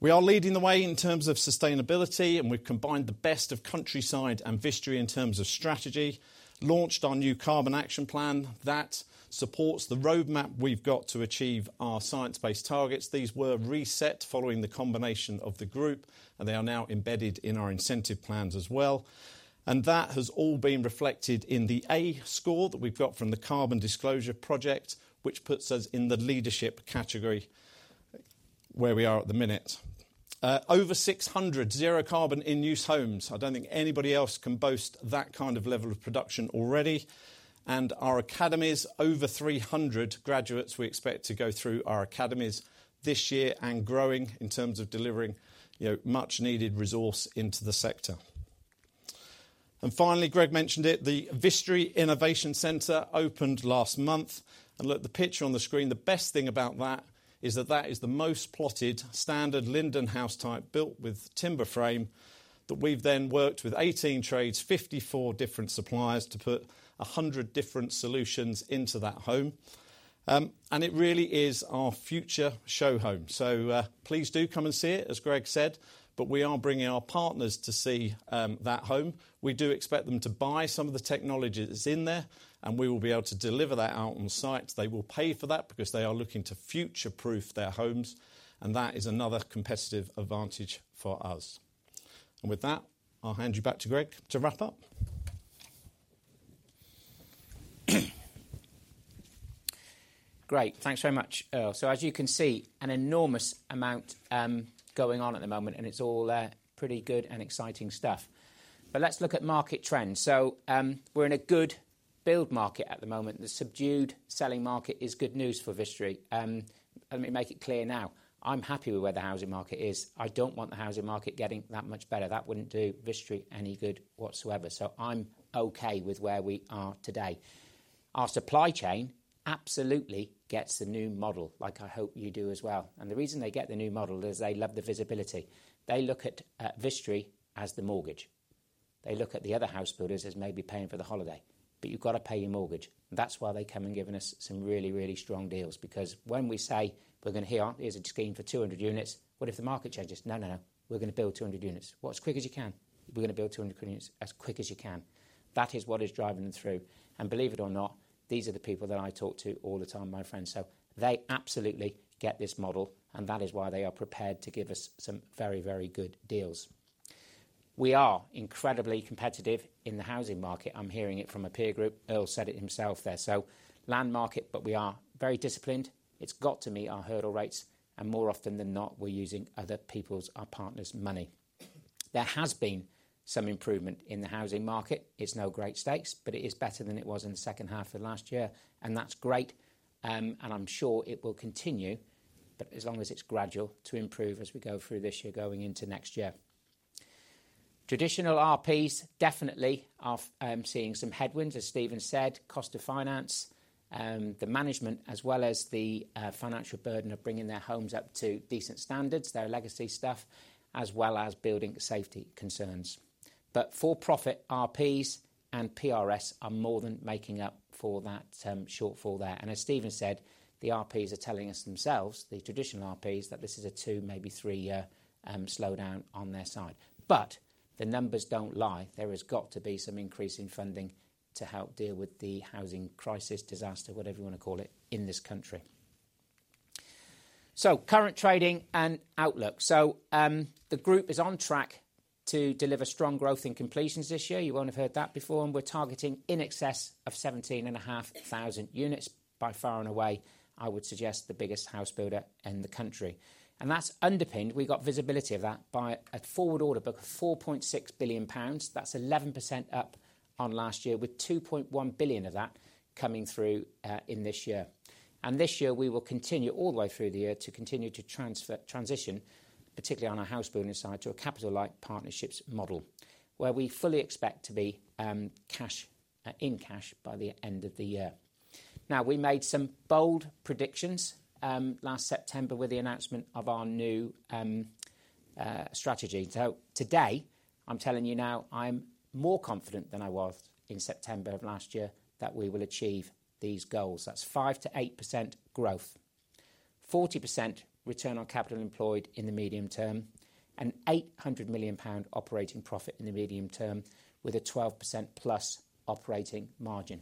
We are leading the way in terms of sustainability. And we've combined the best of Countryside and Vistry in terms of strategy, launched our new Carbon Action Plan that supports the roadmap we've got to achieve our science-based targets. These were reset following the combination of the group, and they are now embedded in our incentive plans as well. And that has all been reflected in the A score that we've got from the Carbon Disclosure Project, which puts us in the leadership category where we are at the minute. Over 600 zero carbon in-use homes. I don't think anybody else can boast that kind of level of production already. And our academies, over 300 graduates we expect to go through our academies this year and growing in terms of delivering, you know, much-needed resource into the sector. And finally, Greg mentioned it. The Vistry Innovation Centre opened last month. And look, the picture on the screen, the best thing about that is that that is the most plotted standard Linden house type built with timber frame that we've then worked with 18 trades, 54 different suppliers to put 100 different solutions into that home. And it really is our future show home. So, please do come and see it, as Greg said. But we are bringing our partners to see that home. We do expect them to buy some of the technology that's in there. We will be able to deliver that out on site. They will pay for that because they are looking to future-proof their homes. That is another competitive advantage for us. With that, I'll hand you back to Greg to wrap up. Great. Thanks very much, Earl. So as you can see, an enormous amount going on at the moment. It's all pretty good and exciting stuff. But let's look at market trends. We're in a good build market at the moment. The subdued selling market is good news for Vistry. Let me make it clear now. I'm happy with where the housing market is. I don't want the housing market getting that much better. That wouldn't do Vistry any good whatsoever. I'm okay with where we are today. Our supply chain absolutely gets the new model, like I hope you do as well. And the reason they get the new model is they love the visibility. They look at Vistry as the mortgage. They look at the other house builders as maybe paying for the holiday. But you've got to pay your mortgage. And that's why they come and give us some really, really strong deals. Because when we say we're going to here is a scheme for 200 units, what if the market changes? No, no, no. We're going to build 200 units. What's quick as you can? We're going to build 200 units as quick as you can. That is what is driving them through. And believe it or not, these are the people that I talk to all the time, my friends. So they absolutely get this model. And that is why they are prepared to give us some very, very good deals. We are incredibly competitive in the housing market. I'm hearing it from a peer group. Earl said it himself there. So land market, but we are very disciplined. It's got to meet our hurdle rates. And more often than not, we're using other people's, our partners' money. There has been some improvement in the housing market. It's no great shakes, but it is better than it was in the second half of last year. And that's great. And I'm sure it will continue, but as long as it's gradual to improve as we go through this year, going into next year. Traditional RPs definitely are seeing some headwinds, as Stephen said, cost of finance, the management, as well as the financial burden of bringing their homes up to decent standards, their legacy stuff, as well as building safety concerns. But for-profit RPs and PRS are more than making up for that shortfall there. And as Stephen said, the RPs are telling us themselves, the traditional RPs, that this is a two, maybe three, slowdown on their side. But the numbers don't lie. There has got to be some increase in funding to help deal with the housing crisis, disaster, whatever you want to call it in this country. So current trading and outlook. So, the group is on track to deliver strong growth in completions this year. You won't have heard that before. And we're targeting in excess of 17,500 units by far and away, I would suggest, the biggest house builder in the country. And that's underpinned we've got visibility of that by a forward order book of 4.6 billion pounds. That's 11% up on last year, with 2.1 billion of that coming through in this year. This year, we will continue all the way through the year to continue to transfer, transition, particularly on our house building side, to a capital-light partnerships model where we fully expect to be cash in cash by the end of the year. Now, we made some bold predictions last September with the announcement of our new strategy. Today, I'm telling you now, I'm more confident than I was in September of last year that we will achieve these goals. That's 5%-8% growth, 40% return on capital employed in the medium-term, and 800 million pound operating profit in the medium-term with a 12%+ operating margin.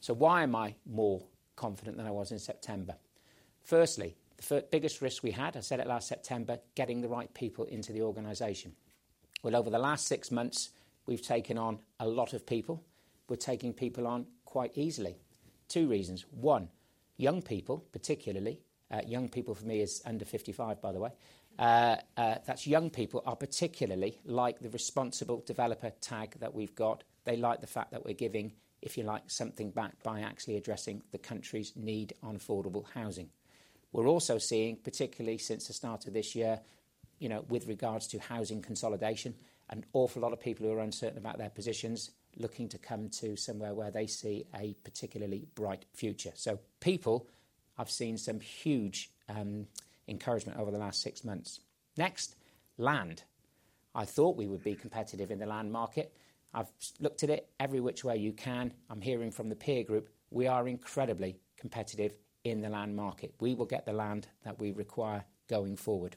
So why am I more confident than I was in September? Firstly, the biggest risk we had, I said it last September, getting the right people into the organization. Well, over the last six months, we've taken on a lot of people. We're taking people on quite easily. Two reasons. One, young people, particularly, young people for me is under 55, by the way. That's young people are particularly like the responsible developer tag that we've got. They like the fact that we're giving, if you like, something back by actually addressing the country's need on affordable housing. We're also seeing, particularly since the start of this year, you know, with regards to housing consolidation, an awful lot of people who are uncertain about their positions, looking to come to somewhere where they see a particularly bright future. So people, I've seen some huge, encouragement over the last six months. Next, land. I thought we would be competitive in the land market. I've looked at it every which way you can. I'm hearing from the peer group we are incredibly competitive in the land market. We will get the land that we require going forward.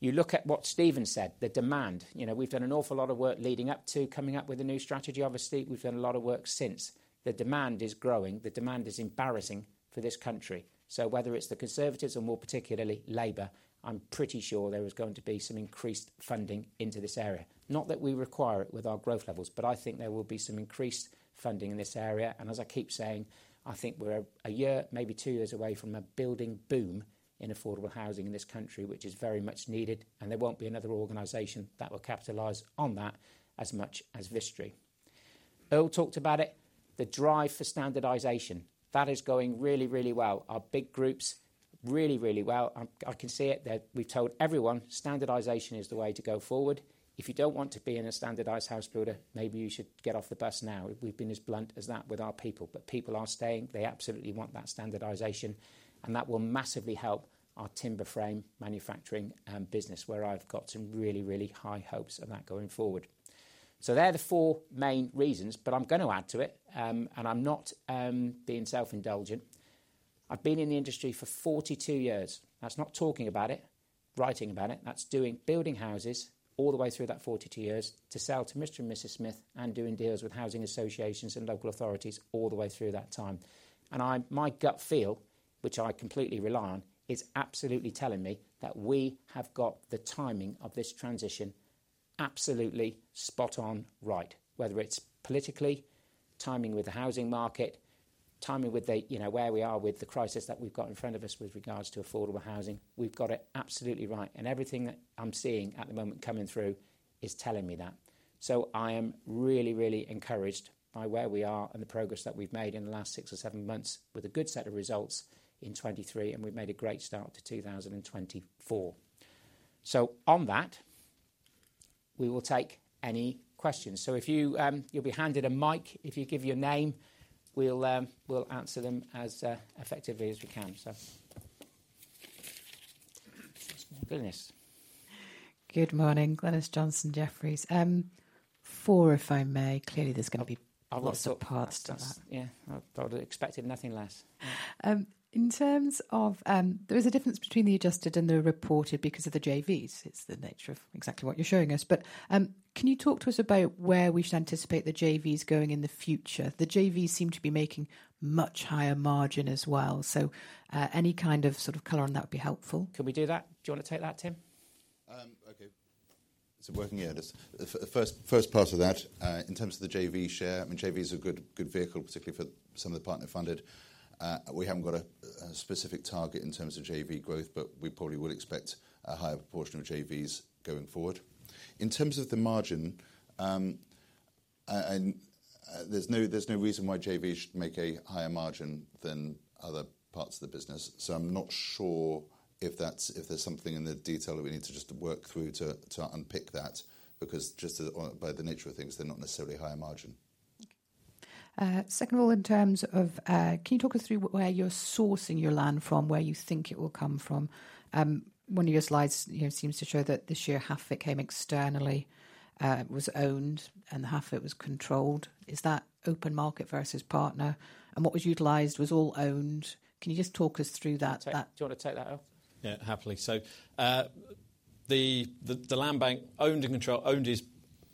You look at what Stephen said, the demand. You know, we've done an awful lot of work leading up to, coming up with a new strategy, obviously. We've done a lot of work since. The demand is growing. The demand is embarrassing for this country. So whether it's the Conservatives or more particularly Labour, I'm pretty sure there is going to be some increased funding into this area. Not that we require it with our growth levels, but I think there will be some increased funding in this area. And as I keep saying, I think we're a year, maybe two years away from a building boom in affordable housing in this country, which is very much needed. And there won't be another organization that will capitalize on that as much as Vistry. Earl talked about it, the drive for standardization. That is going really, really well. Our big groups, really, really well. I can see it there. We've told everyone standardization is the way to go forward. If you don't want to be in a standardized house builder, maybe you should get off the bus now. We've been as blunt as that with our people. But people are staying. They absolutely want that standardization. And that will massively help our timber frame manufacturing and business, where I've got some really, really high hopes of that going forward. So they're the four main reasons. But I'm going to add to it, and I'm not, being self-indulgent. I've been in the industry for 42 years. That's not talking about it, writing about it. That's doing building houses all the way through that 42 years to sell to Mr. and Mrs. Smith and doing deals with housing associations and local authorities all the way through that time. And in my gut feel, which I completely rely on, is absolutely telling me that we have got the timing of this transition absolutely spot on right, whether it's politically, timing with the housing market, timing with the, you know, where we are with the crisis that we've got in front of us with regards to affordable housing. We've got it absolutely right. And everything that I'm seeing at the moment coming through is telling me that. So I am really, really encouraged by where we are and the progress that we've made in the last six or seven months with a good set of results in 2023. And we've made a great start to 2024. So on that, we will take any questions. So if you, you'll be handed a mic. If you give your name, we'll, we'll answer them as effectively as we can. So. Good morning, Glynis Johnson, Jefferies. Q4, if I may. Clearly, there's going to be lots of parts to that. I've lost, yeah. I would have expected nothing less. In terms of, there is a difference between the adjusted and the reported because of the JVs. It's the nature of exactly what you're showing us. But, can you talk to us about where we should anticipate the JVs going in the future? The JVs seem to be making much higher margin as well. So, any kind of sort of color on that would be helpful. Can we do that? Do you want to take that, Tim? Okay. So working here, the first part of that, in terms of the JV share, I mean, JVs are a good vehicle, particularly for some of the partner-funded. We haven't got a specific target in terms of JV growth, but we probably will expect a higher proportion of JVs going forward. In terms of the margin, there's no reason why JVs should make a higher margin than other parts of the business. So I'm not sure if there's something in the detail that we need to just work through to unpick that because just by the nature of things, they're not necessarily higher margin. Okay. Second of all, in terms of, can you talk us through where you're sourcing your land from, where you think it will come from? One of your slides, you know, seems to show that this year half of it came externally, was owned, and the half of it was controlled. Is that open market versus partner? And what was utilized was all owned. Can you just talk us through that? Do you want to take that, Earl? Yeah, happily. So, the land bank owned and controlled, owned is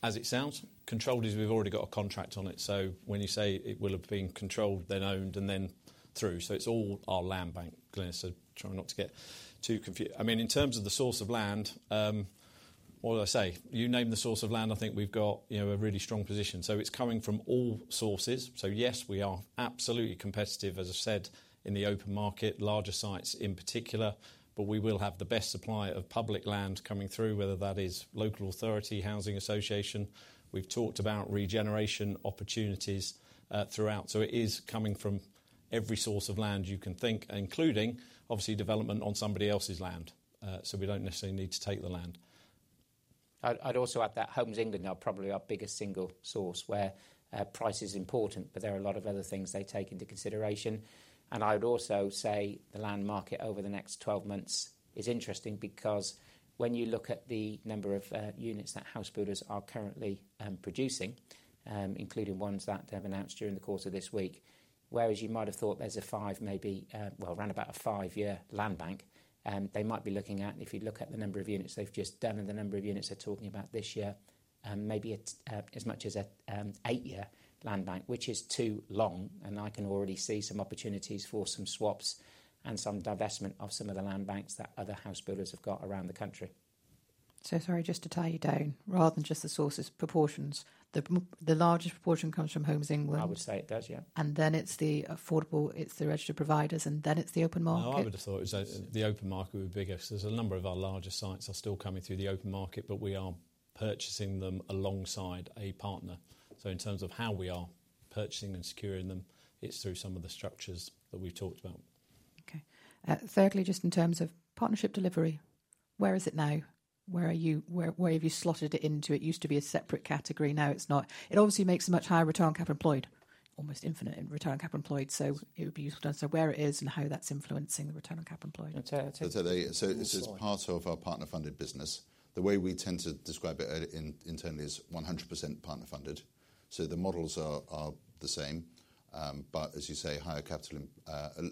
as it sounds. Controlled is we've already got a contract on it. So when you say it will have been controlled, then owned, and then through. So it's all our land bank, Glynis, so try not to get too confused. I mean, in terms of the source of land, what did I say? You named the source of land. I think we've got, you know, a really strong position. So it's coming from all sources. So yes, we are absolutely competitive, as I said, in the open market, larger sites in particular. But we will have the best supply of public land coming through, whether that is local authority, housing association. We've talked about regeneration opportunities, throughout. So it is coming from every source of land you can think, including, obviously, development on somebody else's land. We don't necessarily need to take the land. I'd also add that Homes England are probably our biggest single source where price is important, but there are a lot of other things they take into consideration. And I would also say the land market over the next 12 months is interesting because when you look at the number of units that house builders are currently producing, including ones that they've announced during the course of this week, whereas you might have thought there's a five, maybe, well, roundabout a five-year land bank, they might be looking at if you look at the number of units they've just done and the number of units they're talking about this year, maybe a, as much as a eight-year land bank, which is too long. I can already see some opportunities for some swaps and some divestment of some of the land banks that other house builders have got around the country. So sorry, just to tie you down, rather than just the sources, proportions, the largest proportion comes from Homes England. I would say it does, yeah. And then it's the affordable, it's the registered providers, and then it's the open market. No, I would have thought it was the open market would be bigger. So there's a number of our larger sites are still coming through the open market, but we are purchasing them alongside a partner. So in terms of how we are purchasing and securing them, it's through some of the structures that we've talked about. Okay. Thirdly, just in terms of partnership delivery, where is it now? Where are you, where, where have you slotted it into? It used to be a separate category. Now it's not. It obviously makes a much higher return on capital employed, almost infinite in return on capital employed. So it would be useful to understand where it is and how that's influencing the return on capital employed. I'd say. So it's as part of our partner-funded business. The way we tend to describe it internally is 100% partner-funded. So the models are the same, but as you say, higher capital,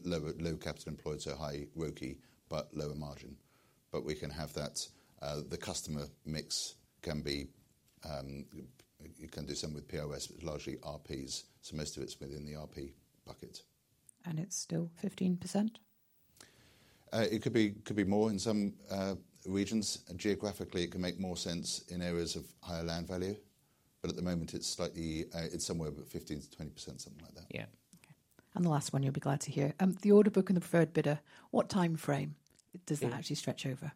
low capital employed, so high ROCE, but lower margin. But we can have that, the customer mix can be, you can do some with PRS, largely RPs. So most of it's within the RP bucket. It's still 15%? It could be, could be more in some regions. Geographically, it can make more sense in areas of higher land value. But at the moment, it's slightly, it's somewhere between 15%-20%, something like that. Yeah. Okay. And the last one, you'll be glad to hear, the order book and the preferred bidder, what timeframe does that actually stretch over?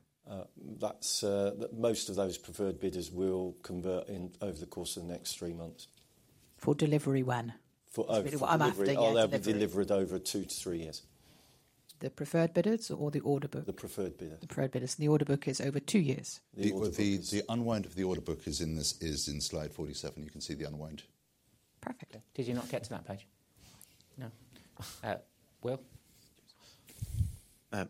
That most of those preferred bidders will convert in over the course of the next three months. For delivery when? For over, I'm after, yeah. I'll ever deliver it over two to three years. The preferred bidders or the order book? The preferred bidder. The preferred bidders. The order book is over two years. The unwind of the order book is in this, is in slide 47. You can see the unwind. Perfect. Did you not get to that page? No. Will?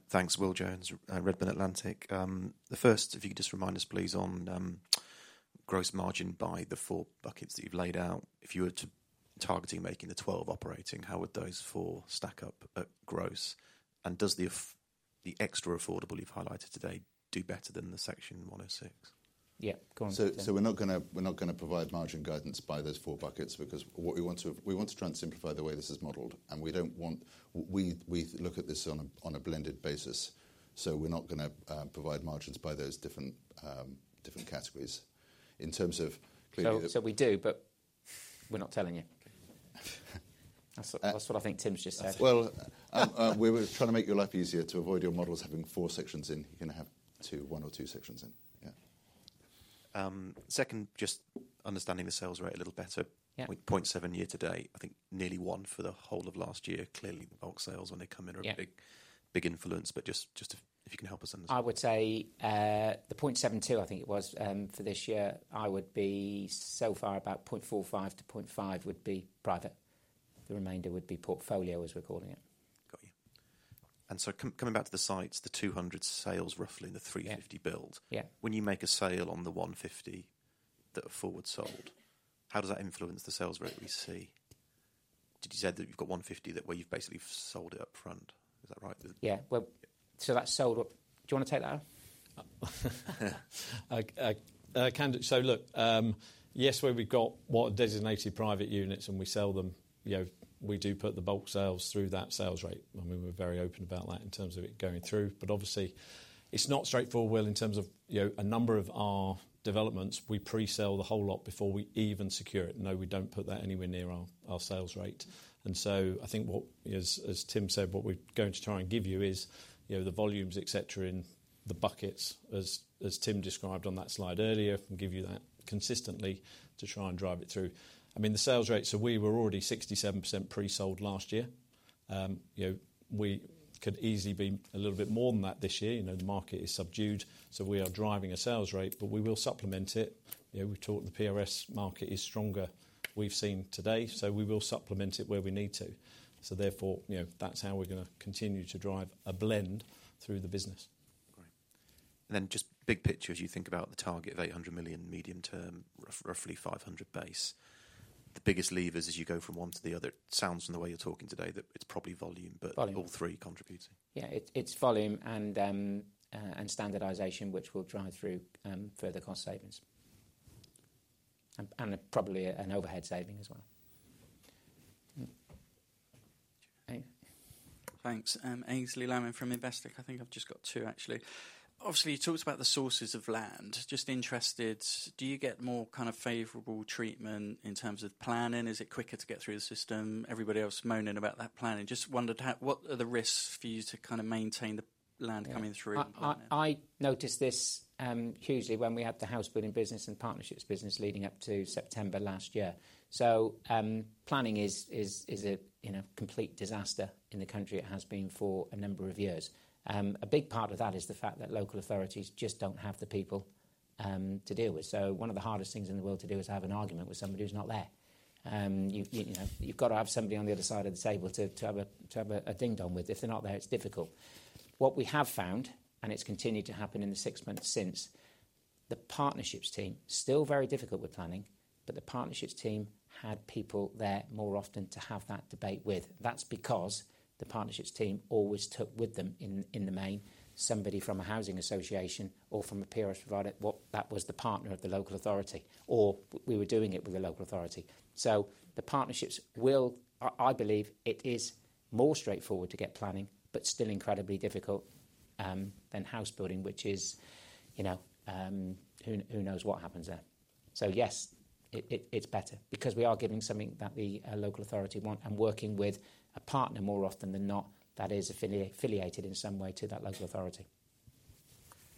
Thanks, Will Jones, Redburn Atlantic. The first, if you could just remind us, please, on gross margin by the four buckets that you've laid out. If you were to targeting making the 12 operating, how would those four stack up at gross? And does the extra affordable you've highlighted today do better than the Section 106? Yeah. Go on, Tim. So, we're not going to provide margin guidance by those four buckets because what we want to try and simplify the way this is modeled. And we don't want. We look at this on a blended basis. So, we're not going to provide margins by those different categories. In terms of clearly. So, so we do, but we're not telling you. That's what, that's what I think Tim's just said. Well, we were trying to make your life easier to avoid your models having four sections in. You're going to have two, one or two sections in. Yeah. Second, just understanding the sales rate a little better. Yeah. 0.7 year to date. I think nearly one for the whole of last year. Clearly, the bulk sales, when they come in, are a big, big influence. But just, just if you can help us understand. I would say, the 0.72, I think it was, for this year, I would be so far about 0.45-0.5 would be private. The remainder would be portfolio, as we're calling it. Got you. Coming back to the sites, the 200 sales, roughly, and the 350 built. Yeah. When you make a sale on the 150 that are forward-sold, how does that influence the sales rate we see? Did you say that you've got 150 that where you've basically sold it upfront? Is that right? Yeah. Well, so that's sold up. Do you want to take that, Earl? I can't. So look, yes, where we've got what are designated private units and we sell them, you know, we do put the bulk sales through that sales rate. I mean, we're very open about that in terms of it going through. But obviously, it's not straightforward in terms of, you know, a number of our developments, we pre-sell the whole lot before we even secure it. No, we don't put that anywhere near our sales rate. And so I think what, as Tim said, what we're going to try and give you is, you know, the volumes, etc., in the buckets, as Tim described on that slide earlier, and give you that consistently to try and drive it through. I mean, the sales rate, so we were already 67% pre-sold last year. You know, we could easily be a little bit more than that this year. You know, the market is subdued. So we are driving a sales rate, but we will supplement it. You know, we've talked the PRS market is stronger we've seen today. So we will supplement it where we need to. So therefore, you know, that's how we're going to continue to drive a blend through the business. Great. And then just big picture, as you think about the target of 800 million medium-term, roughly 500 million base, the biggest levers, as you go from one to the other, it sounds from the way you're talking today that it's probably volume, but all three contributing. Yeah. It's volume and standardization, which will drive through further cost savings. Probably an overhead saving as well. Thanks. Aynsley Lammin from Investec. I think I've just got two, actually. Obviously, you talked about the sources of land. Just interested, do you get more kind of favorable treatment in terms of planning? Is it quicker to get through the system? Everybody else moaning about that planning. Just wondered how, what are the risks for you to kind of maintain the land coming through and planning? I noticed this hugely when we had the house building business and partnerships business leading up to September last year. So, planning is a, you know, complete disaster in the country. It has been for a number of years. A big part of that is the fact that local authorities just don't have the people to deal with. So one of the hardest things in the world to do is have an argument with somebody who's not there. You know, you've got to have somebody on the other side of the table to have a ding-dong with. If they're not there, it's difficult. What we have found, and it's continued to happen in the six months since, the partnerships team still very difficult with planning, but the partnerships team had people there more often to have that debate with. That's because the partnerships team always took with them in the main somebody from a housing association or from a PRS provider, what that was the partner of the local authority, or we were doing it with a local authority. So the partnerships will, I believe it is more straightforward to get planning, but still incredibly difficult, than house building, which is, you know, who knows what happens there. So yes, it, it's better because we are giving something that the local authority want and working with a partner more often than not that is affiliated in some way to that local authority.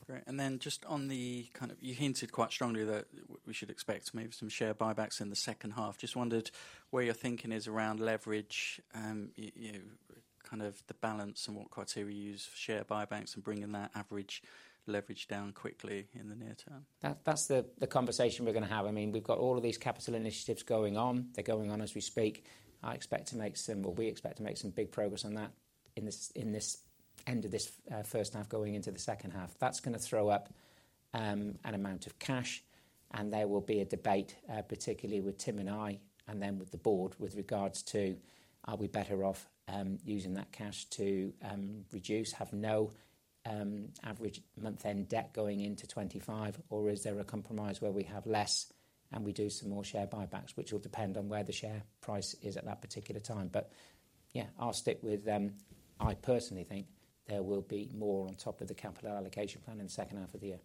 Great. And then just on the kind of, you hinted quite strongly that we should expect maybe some share buybacks in the second half. Just wondered where you're thinking is around leverage, you know, kind of the balance and what criteria you use for share buybacks and bringing that average leverage down quickly in the near-term? That's the conversation we're going to have. I mean, we've got all of these capital initiatives going on. They're going on as we speak. Well, we expect to make some big progress on that in this end of this first half going into the second half. That's going to throw up an amount of cash. And there will be a debate, particularly with Tim and I and then with the board with regards to are we better off using that cash to reduce, have no average month-end debt going into 2025, or is there a compromise where we have less and we do some more share buybacks, which will depend on where the share price is at that particular time. But yeah, I'll stick with, I personally think there will be more on top of the capital allocation plan in the second half of the year.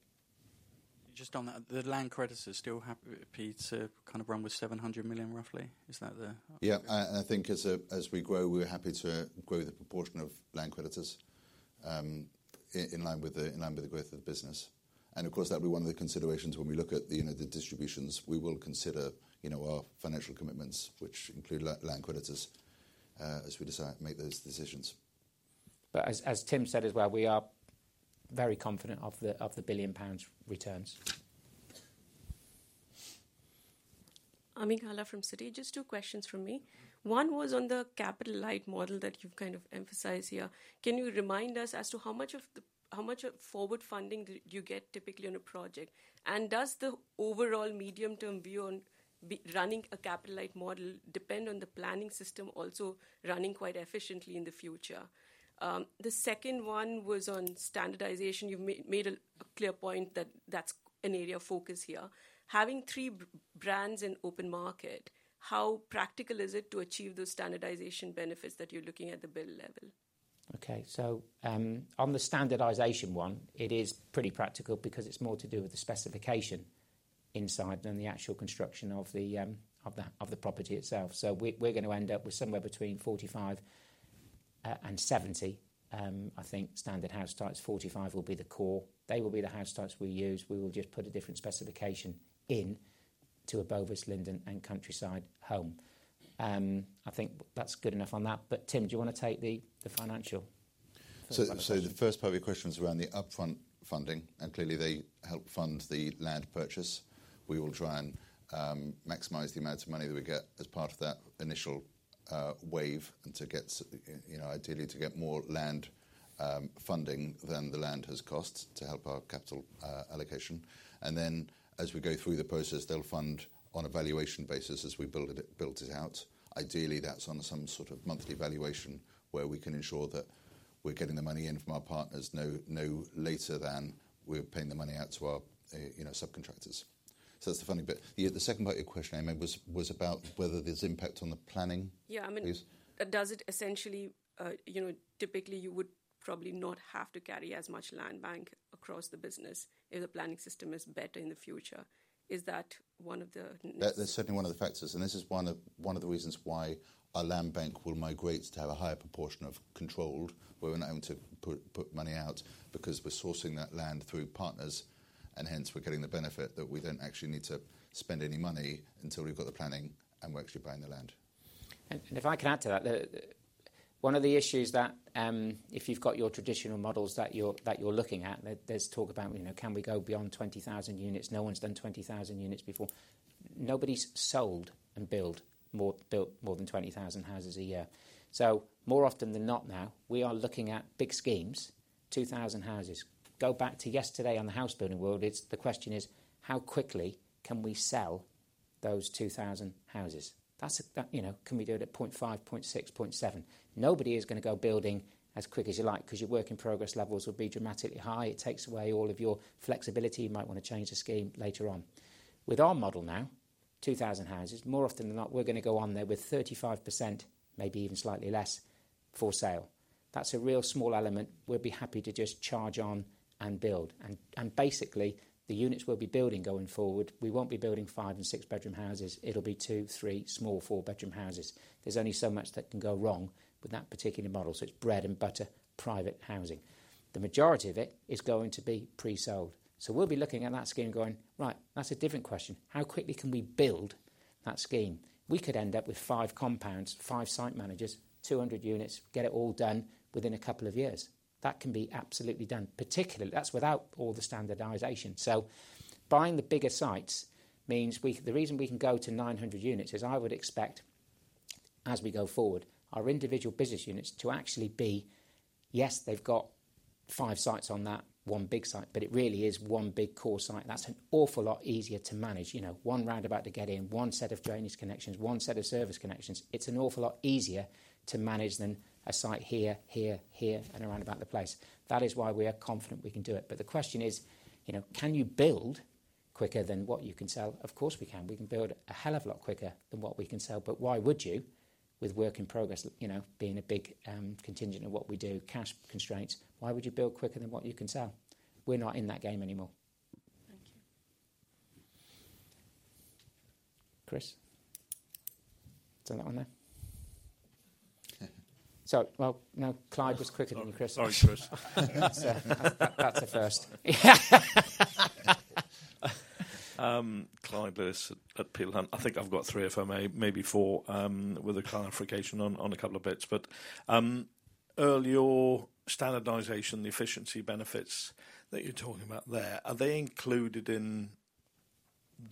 Just on that, the land creditors still happy, to kind of run with 700 million, roughly? Is that the. Yeah. I think as we grow, we're happy to grow the proportion of land creditors in line with the growth of the business. And of course, that'll be one of the considerations when we look at the, you know, the distributions. We will consider, you know, our financial commitments, which include land creditors, as we decide make those decisions. But as Tim said as well, we are very confident of the 1 billion pounds returns. Ami Galla from Citi, just two questions from me. One was on the capital light model that you've kind of emphasized here. Can you remind us as to how much of the, how much of forward funding do you get typically on a project? And does the overall medium-term view on running a capital light model depend on the planning system also running quite efficiently in the future? The second one was on standardization. You've made a clear point that that's an area of focus here. Having three brands in open market, how practical is it to achieve those standardization benefits that you're looking at the build level? Okay. So, on the standardisation one, it is pretty practical because it's more to do with the specification inside than the actual construction of the property itself. So we're going to end up with somewhere between 45 and 70, I think, standard house types. 45 will be the core. They will be the house types we use. We will just put a different specification in to a Bovis, Linden, and Countryside home. I think that's good enough on that. But Tim, do you want to take the financial? So, the first part of your question was around the upfront funding. And clearly, they help fund the land purchase. We will try and maximise the amount of money that we get as part of that initial wave and to get, you know, ideally to get more land funding than the land has cost to help our capital allocation. And then as we go through the process, they'll fund on a valuation basis as we build it, build it out. Ideally, that's on some sort of monthly valuation where we can ensure that we're getting the money in from our partners no later than we're paying the money out to our, you know, subcontractors. So that's the funding bit. The second part of your question, Ami, was about whether there's impact on the planning, please? Yeah. I mean, does it essentially, you know, typically, you would probably not have to carry as much land bank across the business if the planning system is better in the future? Is that one of the. That's certainly one of the factors. This is one of the reasons why our land bank will migrate to have a higher proportion of controlled, where we're not able to put money out because we're sourcing that land through partners. Hence, we're getting the benefit that we don't actually need to spend any money until we've got the planning and we're actually buying the land. And if I can add to that, one of the issues that, if you've got your traditional models that you're looking at, there's talk about, you know, can we go beyond 20,000 units? No one's done 20,000 units before. Nobody's sold and built more than 20,000 houses a year. So more often than not now, we are looking at big schemes, 2,000 houses. Go back to yesterday on the house building world, it's the question is, how quickly can we sell those 2,000 houses? That's a, you know, can we do it at 0.5, 0.6, 0.7? Nobody is going to go building as quick as you like because your work in progress levels will be dramatically high. It takes away all of your flexibility. You might want to change the scheme later on. With our model now, 2,000 houses, more often than not, we're going to go on there with 35%, maybe even slightly less, for sale. That's a real small element. We'll be happy to just charge on and build. And basically, the units we'll be building going forward, we won't be building 5- and 6-bedroom houses. It'll be 2-, 3-, small 4-bedroom houses. There's only so much that can go wrong with that particular model. So it's bread and butter, private housing. The majority of it is going to be pre-sold. So we'll be looking at that scheme going, right, that's a different question. How quickly can we build that scheme? We could end up with five compounds, five site managers, 200 units, get it all done within a couple of years. That can be absolutely done, particularly that's without all the standardization. So, buying the bigger sites means we can, the reason we can go to 900 units is I would expect, as we go forward, our individual business units to actually be, yes, they've got five sites on that, one big site, but it really is one big core site. That's an awful lot easier to manage. You know, one roundabout to get in, one set of drainage connections, one set of service connections. It's an awful lot easier to manage than a site here, here, here, and around about the place. That is why we are confident we can do it. But the question is, you know, can you build quicker than what you can sell? Of course, we can. We can build a hell of a lot quicker than what we can sell. But why would you, with work in progress, you know, being a big, contingent of what we do, cash constraints, why would you build quicker than what you can sell? We're not in that game anymore. Thank you. Chris? It's on that one there? So, well, now Clyde was quicker than you, Chris. Oh, Chris. That's a first. Clyde Lewis at Peel Hunt. I think I've got three, if I may, maybe four, with a client friction on a couple of bits. But earlier standardization, the efficiency benefits that you're talking about there, are they included in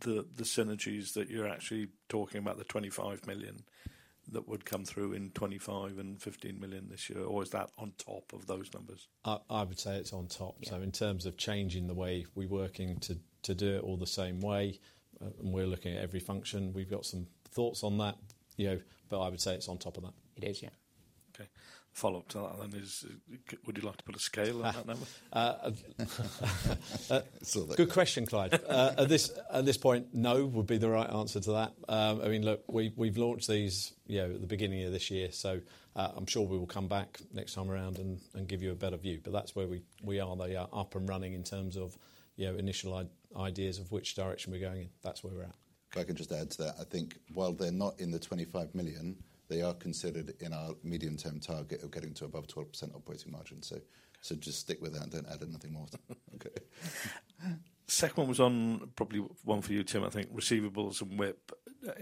the synergies that you're actually talking about, the 25 million that would come through in 2025 and 15 million this year, or is that on top of those numbers? I would say it's on top. So in terms of changing the way we're working to do it all the same way, and we're looking at every function, we've got some thoughts on that, you know, but I would say it's on top of that. It is, yeah. Okay. Follow-up to that then is, would you like to put a scale on that number? Good question, Clyde. At this point, no would be the right answer to that. I mean, look, we've launched these, you know, at the beginning of this year. So, I'm sure we will come back next time around and give you a better view. But that's where we are. They are up and running in terms of, you know, initial ideas of which direction we're going in. That's where we're at. If I can just add to that, I think while they're not in the 25 million, they are considered in our medium-term target of getting to above 12% operating margin. So, just stick with that and don't add anything more. Okay. Second one was on probably one for you, Tim, I think, receivables and WIP.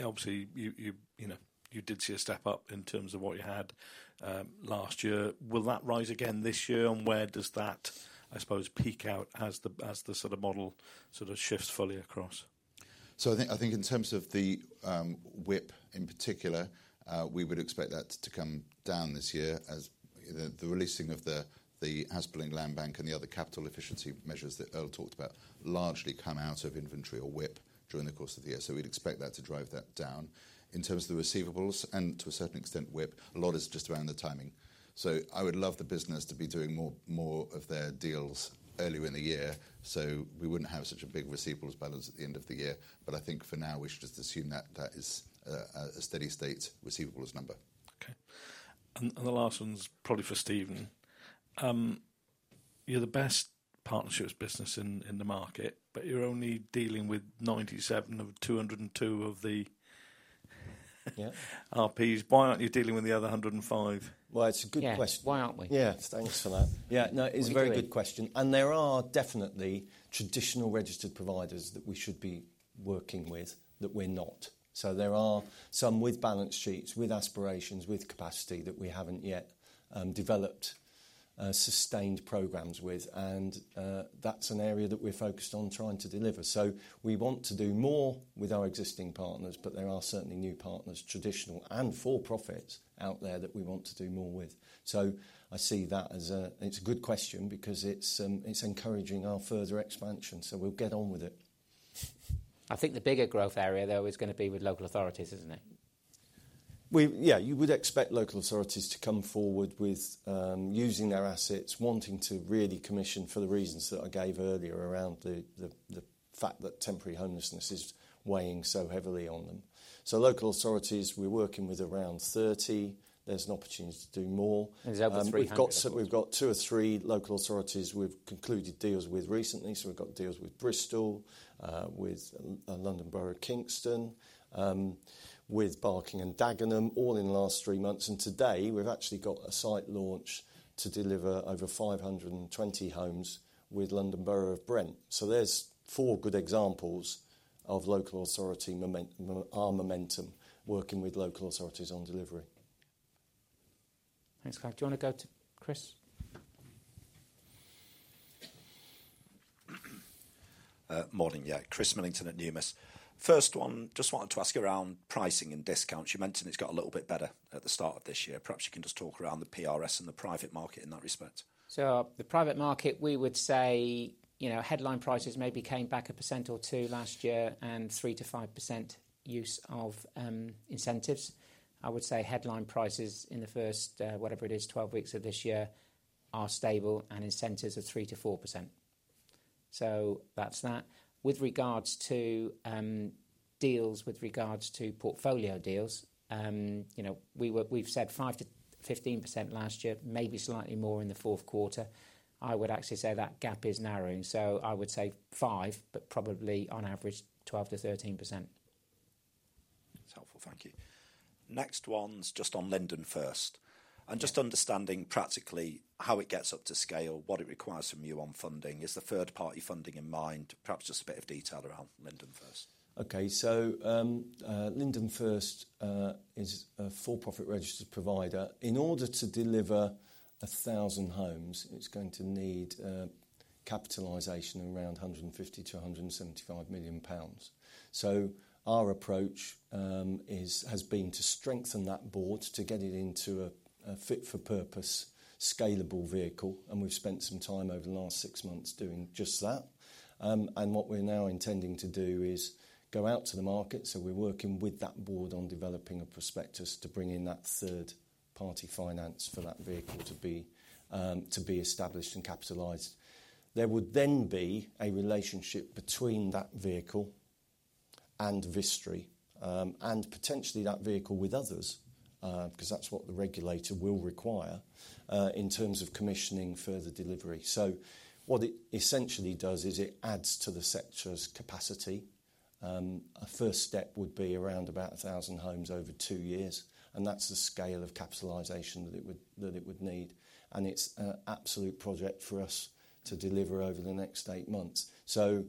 Obviously, you know, you did see a step up in terms of what you had last year. Will that rise again this year, and where does that, I suppose, peak out as the sort of model sort of shifts fully across? So I think in terms of the WIP in particular, we would expect that to come down this year as the releasing of the house building land bank and the other capital efficiency measures that Earl talked about largely come out of inventory or WIP during the course of the year. So we'd expect that to drive that down. In terms of the receivables and to a certain extent WIP, a lot is just around the timing. So I would love the business to be doing more of their deals earlier in the year so we wouldn't have such a big receivables balance at the end of the year. But I think for now, we should just assume that that is a steady-state receivables number. Okay. The last one's probably for Stephen. You're the best partnerships business in the market, but you're only dealing with 97 of 202 of the RPs. Why aren't you dealing with the other 105? Well, it's a good question. Yeah. Why aren't we? Yeah. Thanks for that. Yeah. No, it's a very good question. And there are definitely traditional registered providers that we should be working with that we're not. So there are some with balance sheets, with aspirations, with capacity that we haven't yet developed sustained programs with. And that's an area that we're focused on trying to deliver. So we want to do more with our existing partners, but there are certainly new partners, traditional and for-profits, out there that we want to do more with. So I see that as a—it's a good question because it's encouraging our further expansion. So we'll get on with it. I think the bigger growth area there is going to be with local authorities, isn't it? We, yeah, you would expect local authorities to come forward with, using their assets, wanting to really commission for the reasons that I gave earlier around the fact that temporary homelessness is weighing so heavily on them. So local authorities, we're working with around 30. There's an opportunity to do more. Is that over 300? We've got two or three local authorities we've concluded deals with recently. We've got deals with Bristol, with London Borough of Kingston, with Barking and Dagenham, all in the last three months. Today, we've actually got a site launch to deliver over 520 homes with London Borough of Brent. There's four good examples of local authority momentum our momentum working with local authorities on delivery. Thanks, Clyde. Do you want to go to Chris? Morning, yeah. Chris Millington at Numis. First one, just wanted to ask around pricing and discounts. You mentioned it's got a little bit better at the start of this year. Perhaps you can just talk around the PRS and the private market in that respect. So the private market, we would say, you know, headline prices maybe came back 1% or 2% last year and 3%-5% use of incentives. I would say headline prices in the first, whatever it is, 12 weeks of this year are stable and incentives are 3%-4%. So that's that. With regards to deals, with regards to portfolio deals, you know, we've said 5%-15% last year, maybe slightly more in the fourth quarter. I would actually say that gap is narrowing. So I would say 5%, but probably on average 12%-13%. That's helpful. Thank you. Next one's just on Linden First. Just understanding practically how it gets up to scale, what it requires from you on funding. Is the third-party funding in mind? Perhaps just a bit of detail around Linden First. Okay. So, Linden First is a for-profit registered provider. In order to deliver 1,000 homes, it's going to need capitalization around 150 million-175 million pounds. So our approach has been to strengthen that board to get it into a fit-for-purpose, scalable vehicle. And we've spent some time over the last six months doing just that. And what we're now intending to do is go out to the market. So we're working with that board on developing a prospectus to bring in that third-party finance for that vehicle to be established and capitalized. There would then be a relationship between that vehicle and Vistry, and potentially that vehicle with others, because that's what the regulator will require, in terms of commissioning further delivery. So what it essentially does is it adds to the sector's capacity. A first step would be around about 1,000 homes over two years. That's the scale of capitalization that it would need. It's an absolute project for us to deliver over the next eight months. So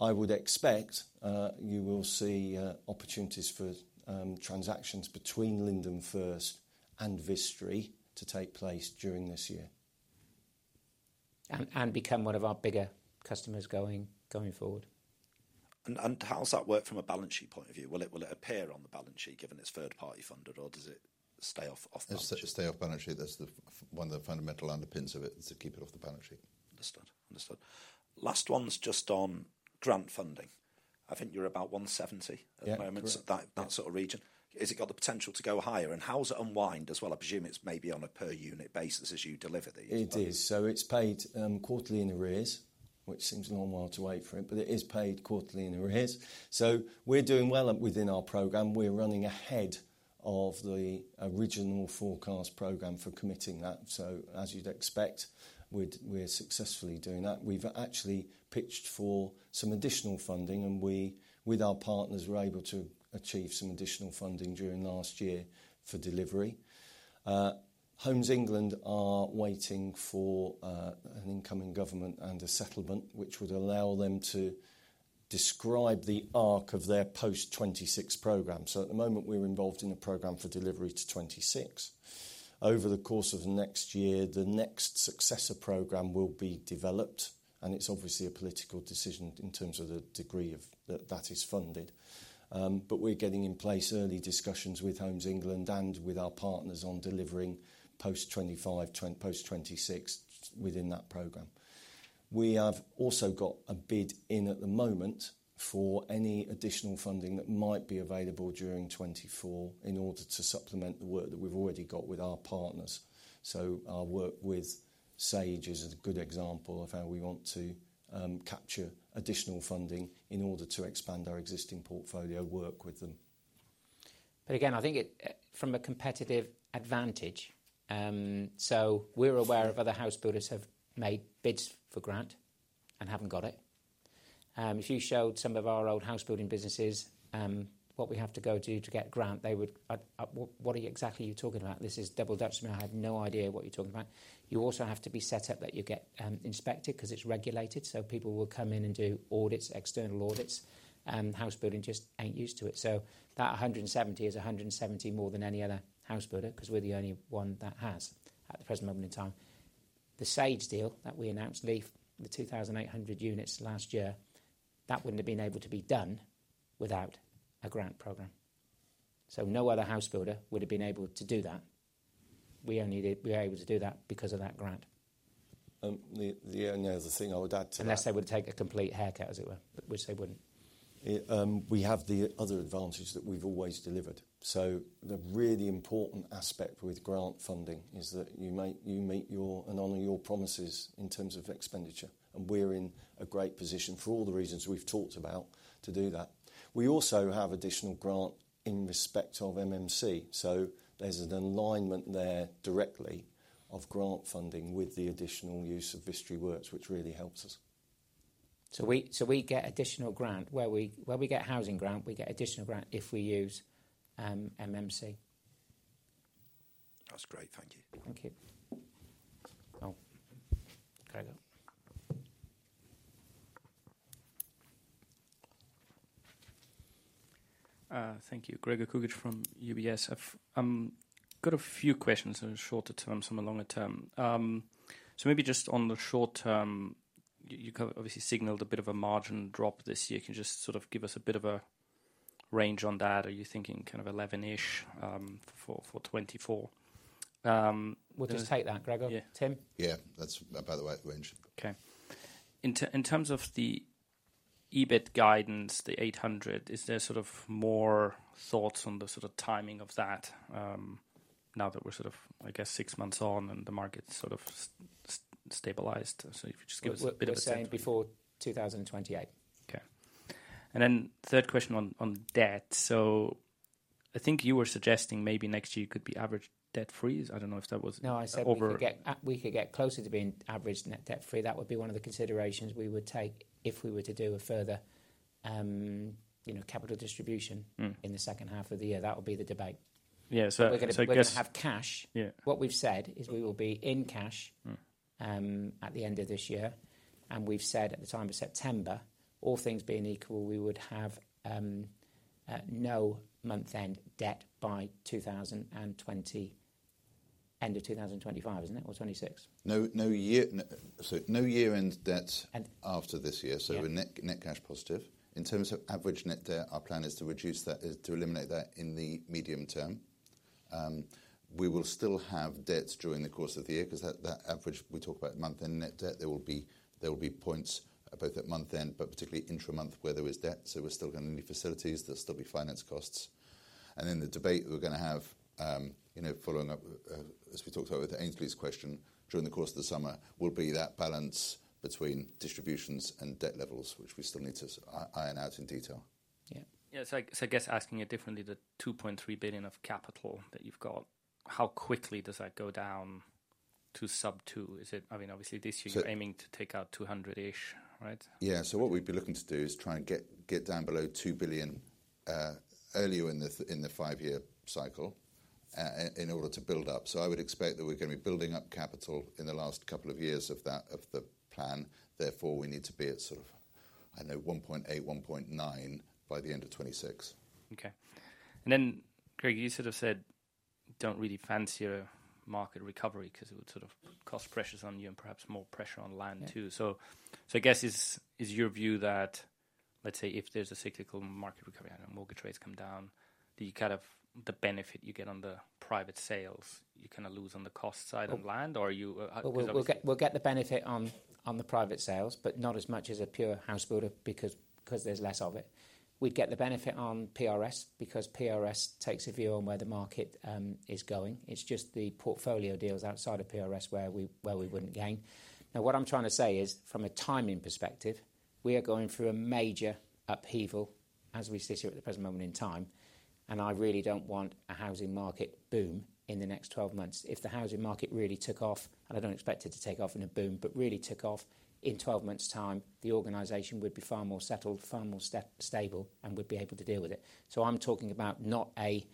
I would expect you will see opportunities for transactions between Linden First and Vistry to take place during this year. Become one of our bigger customers going forward. How's that work from a balance sheet point of view? Will it appear on the balance sheet given it's third-party funded, or does it stay off balance sheet? It's such a stay off balance sheet. That's one of the fundamental underpinnings of it is to keep it off the balance sheet. Understood. Understood. Last one's just on grant funding. I think you're about 170 at the moment in that, that sort of region. Has it got the potential to go higher, and how's it unwind as well? I presume it's maybe on a per-unit basis as you deliver these? It is. So it's paid, quarterly in arrears, which seems a long while to wait for it, but it is paid quarterly in arrears. So we're doing well within our programme. We're running ahead of the original forecast programme for committing that. So as you'd expect, we're successfully doing that. We've actually pitched for some additional funding, and we, with our partners, were able to achieve some additional funding during last year for delivery. Homes England are waiting for, an incoming government and a settlement which would allow them to describe the arc of their post-2026 programme. So at the moment, we're involved in a programme for delivery to 2026. Over the course of next year, the next successor programme will be developed, and it's obviously a political decision in terms of the degree of that that is funded. But we're getting in place early discussions with Homes England and with our partners on delivering post-2025, post-2026 within that program. We have also got a bid in at the moment for any additional funding that might be available during 2024 in order to supplement the work that we've already got with our partners. So our work with Sage is a good example of how we want to capture additional funding in order to expand our existing portfolio, work with them. But again, I think it from a competitive advantage. So we're aware of other house builders who have made bids for grant and haven't got it. If you showed some of our old house building businesses what we have to go do to get grant, they would what are you exactly talking about? This is double Dutch, man. I have no idea what you're talking about. You also have to be set up that you get inspected because it's regulated. So people will come in and do audits, external audits. House building just ain't used to it. So that 170 is 170 more than any other house builder because we're the only one that has at the present moment in time. The Sage deal that we announced, Leaf, the 2,800 units last year, that wouldn't have been able to be done without a grant program. No other house builder would have been able to do that. We were able to do that because of that grant. The only other thing I would add. Unless they would take a complete haircut, as it were, which they wouldn't. We have the other advantage that we've always delivered. So the really important aspect with grant funding is that you make sure you meet and honor your promises in terms of expenditure. We're in a great position for all the reasons we've talked about to do that. We also have additional grant in respect of MMC. So there's an alignment there directly of grant funding with the additional use of Vistry Works, which really helps us. We get additional grant. Where we get housing grant, we get additional grant if we use MMC. That's great. Thank you. Thank you. Oh. Gregor. Thank you. Gregor Kuglitsch from UBS. I've got a few questions, a shorter term, some longer term. So maybe just on the short-term, you've obviously signaled a bit of a margin drop this year. Can you just sort of give us a bit of a range on that? Are you thinking kind of 11-ish, for 2024? We'll just take that, Gregor. Tim? Yeah. That's about the right range. Okay. In terms of the EBIT guidance, the 800, is there sort of more thoughts on the sort of timing of that, now that we're sort of, I guess, six months on and the market's sort of stabilized? So if you just give us a bit of a date. We're saying before 2028. Okay. And then third question on debt. So I think you were suggesting maybe next year you could be average debt free. I don't know if that was over. No, I said we could get closer to being average net debt free. That would be one of the considerations we would take if we were to do a further, you know, capital distribution in the second half of the year. That would be the debate. Yeah. So we're going to have cash. What we've said is we will be in cash at the end of this year. We've said at the time of September, all things being equal, we would have no month-end debt by year-end 2025, isn't it, or 2026? No, no year-end debt after this year. So we're net, net cash positive. In terms of average net debt, our plan is to reduce that is to eliminate that in the medium-term. We will still have debts during the course of the year because that, that average we talk about month-end net debt, there will be points both at month-end but particularly intra-month where there is debt. So we're still going to need facilities. There'll still be finance costs. And then the debate that we're going to have, you know, following up, as we talked about with Aynsley's question during the course of the summer, will be that balance between distributions and debt levels, which we still need to iron out in detail. Yeah. Yeah. So I guess asking it differently, the 2.3 billion of capital that you've got, how quickly does that go down to sub-GBP 2 billion? Is it, I mean, obviously, this year, you're aiming to take out 200 million-ish, right? Yeah. So what we'd be looking to do is try and get down below 2 billion earlier in the 5-year cycle, in order to build up. So I would expect that we're going to be building up capital in the last couple of years of that plan. Therefore, we need to be at sort of, I know, 1.8 billion, 1.9 billion by the end of 2026. Okay. And then, Greg, you sort of said don't really fancy a market recovery because it would sort of cost pressures on you and perhaps more pressure on land too. So, I guess, is your view that, let's say, if there's a cyclical market recovery, I don't know, mortgage rates come down, do you kind of the benefit you get on the private sales, you kind of lose on the cost side of land, or are you? We'll get the benefit on the private sales, but not as much as a pure house builder because there's less of it. We'd get the benefit on PRS because PRS takes a view on where the market is going. It's just the portfolio deals outside of PRS where we wouldn't gain. Now, what I'm trying to say is, from a timing perspective, we are going through a major upheaval as we sit here at the present moment in time. And I really don't want a housing market boom in the next 12 months. If the housing market really took off, and I don't expect it to take off in a boom, but really took off in 12 months' time, the organisation would be far more settled, far more stable, and would be able to deal with it. I'm talking about not a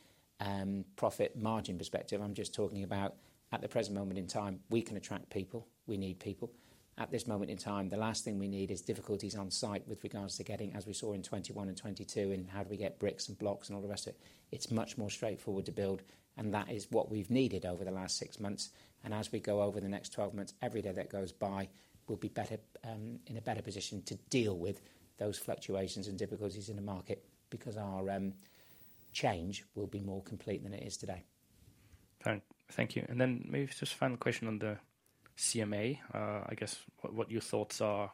profit margin perspective. I'm just talking about at the present moment in time we can attract people. We need people. At this moment in time, the last thing we need is difficulties on site with regards to getting, as we saw in 2021 and 2022, and how do we get bricks and blocks and all the rest of it. It's much more straightforward to build. That is what we've needed over the last six months. As we go over the next 12 months, every day that goes by, we'll be in a better position to deal with those fluctuations and difficulties in the market because our change will be more complete than it is today. Thank you. Then maybe just a final question on the CMA. I guess what your thoughts are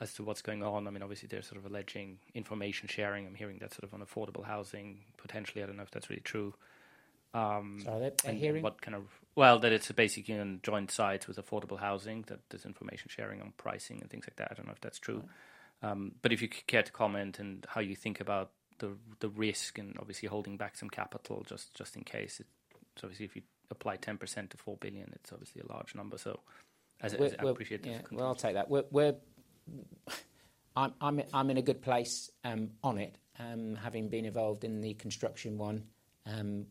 as to what's going on. I mean, obviously, there's sort of alleging information sharing. I'm hearing that's sort of on affordable housing potentially. I don't know if that's really true. Sorry. I'm hearing? And what kind of, well, that it's basically on joint sites with affordable housing, that there's information sharing on pricing and things like that. I don't know if that's true. But if you care to comment on how you think about the risk and obviously holding back some capital, just in case. It's obviously if you apply 10% to 4 billion, it's obviously a large number. So I appreciate those comments. Yeah. Well, I'll take that. We're in a good place on it, having been involved in the construction one,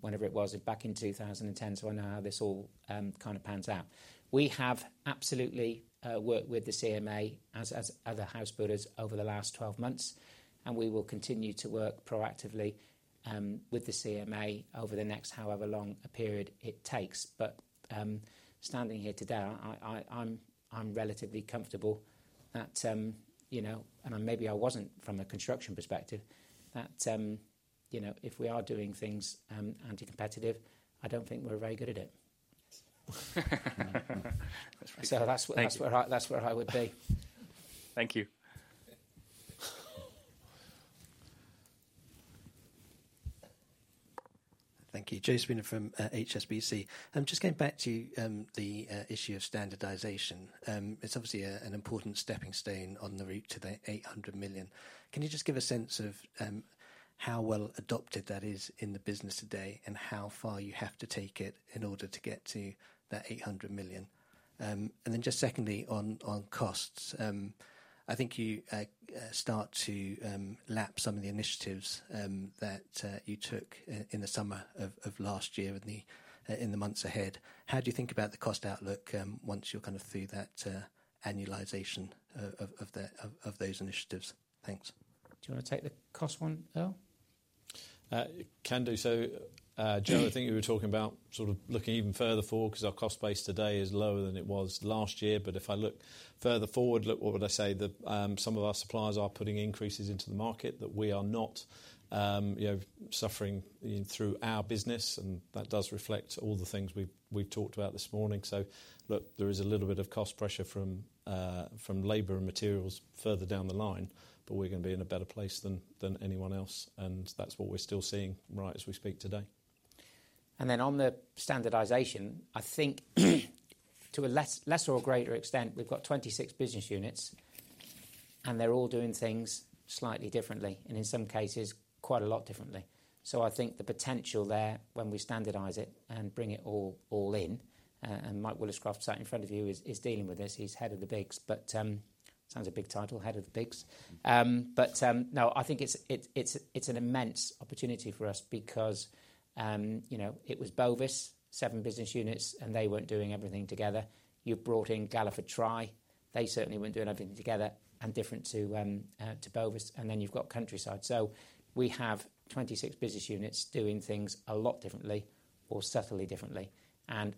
whenever it was, back in 2010. So I know how this all kind of pans out. We have absolutely worked with the CMA as other house builders over the last 12 months. And we will continue to work proactively with the CMA over the next however long a period it takes. But standing here today, I'm relatively comfortable that, you know and maybe I wasn't from a construction perspective that, you know, if we are doing things anti-competitive, I don't think we're very good at it. So that's where I would be. Thank you. Thank you. Jason from HSBC. I'm just going back to the issue of standardization. It's obviously an important stepping stone on the route to the 800 million. Can you just give a sense of how well adopted that is in the business today and how far you have to take it in order to get to that 800 million? And then just secondly, on costs, I think you start to lap some of the initiatives that you took in the summer of last year and then in the months ahead. How do you think about the cost outlook, once you're kind of through that annualization of those initiatives? Thanks. Do you want to take the cost one, Earl? Can do so. Joe, I think you were talking about sort of looking even further forward because our cost base today is lower than it was last year. But if I look further forward, look, what would I say? The, some of our suppliers are putting increases into the market that we are not, you know, suffering through our business. And that does reflect all the things we've, we've talked about this morning. So look, there is a little bit of cost pressure from, from labor and materials further down the line, but we're going to be in a better place than, than anyone else. And that's what we're still seeing right as we speak today. Then on the standardisation, I think to a lesser or greater extent, we've got 26 business units, and they're all doing things slightly differently and in some cases quite a lot differently. So I think the potential there when we standardise it and bring it all in and Mike Woolliscroft, sat in front of you, is dealing with this. He's head of the bigs. But sounds a big title, head of the bigs. But no, I think it's an immense opportunity for us because, you know, it was Bovis, 7 business units, and they weren't doing everything together. You've brought in Galliford Try. They certainly weren't doing everything together and different to Bovis. And then you've got Countryside. So we have 26 business units doing things a lot differently or subtly differently.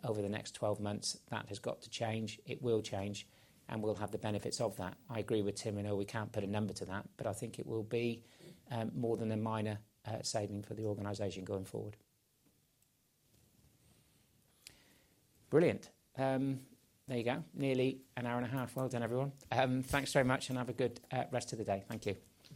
Over the next 12 months, that has got to change. It will change. And we'll have the benefits of that. I agree with Tim and Earl. We can't put a number to that, but I think it will be more than a minor saving for the organization going forward. Brilliant. There you go. Nearly an hour and a half. Well done, everyone. Thanks very much, and have a good rest of the day. Thank you.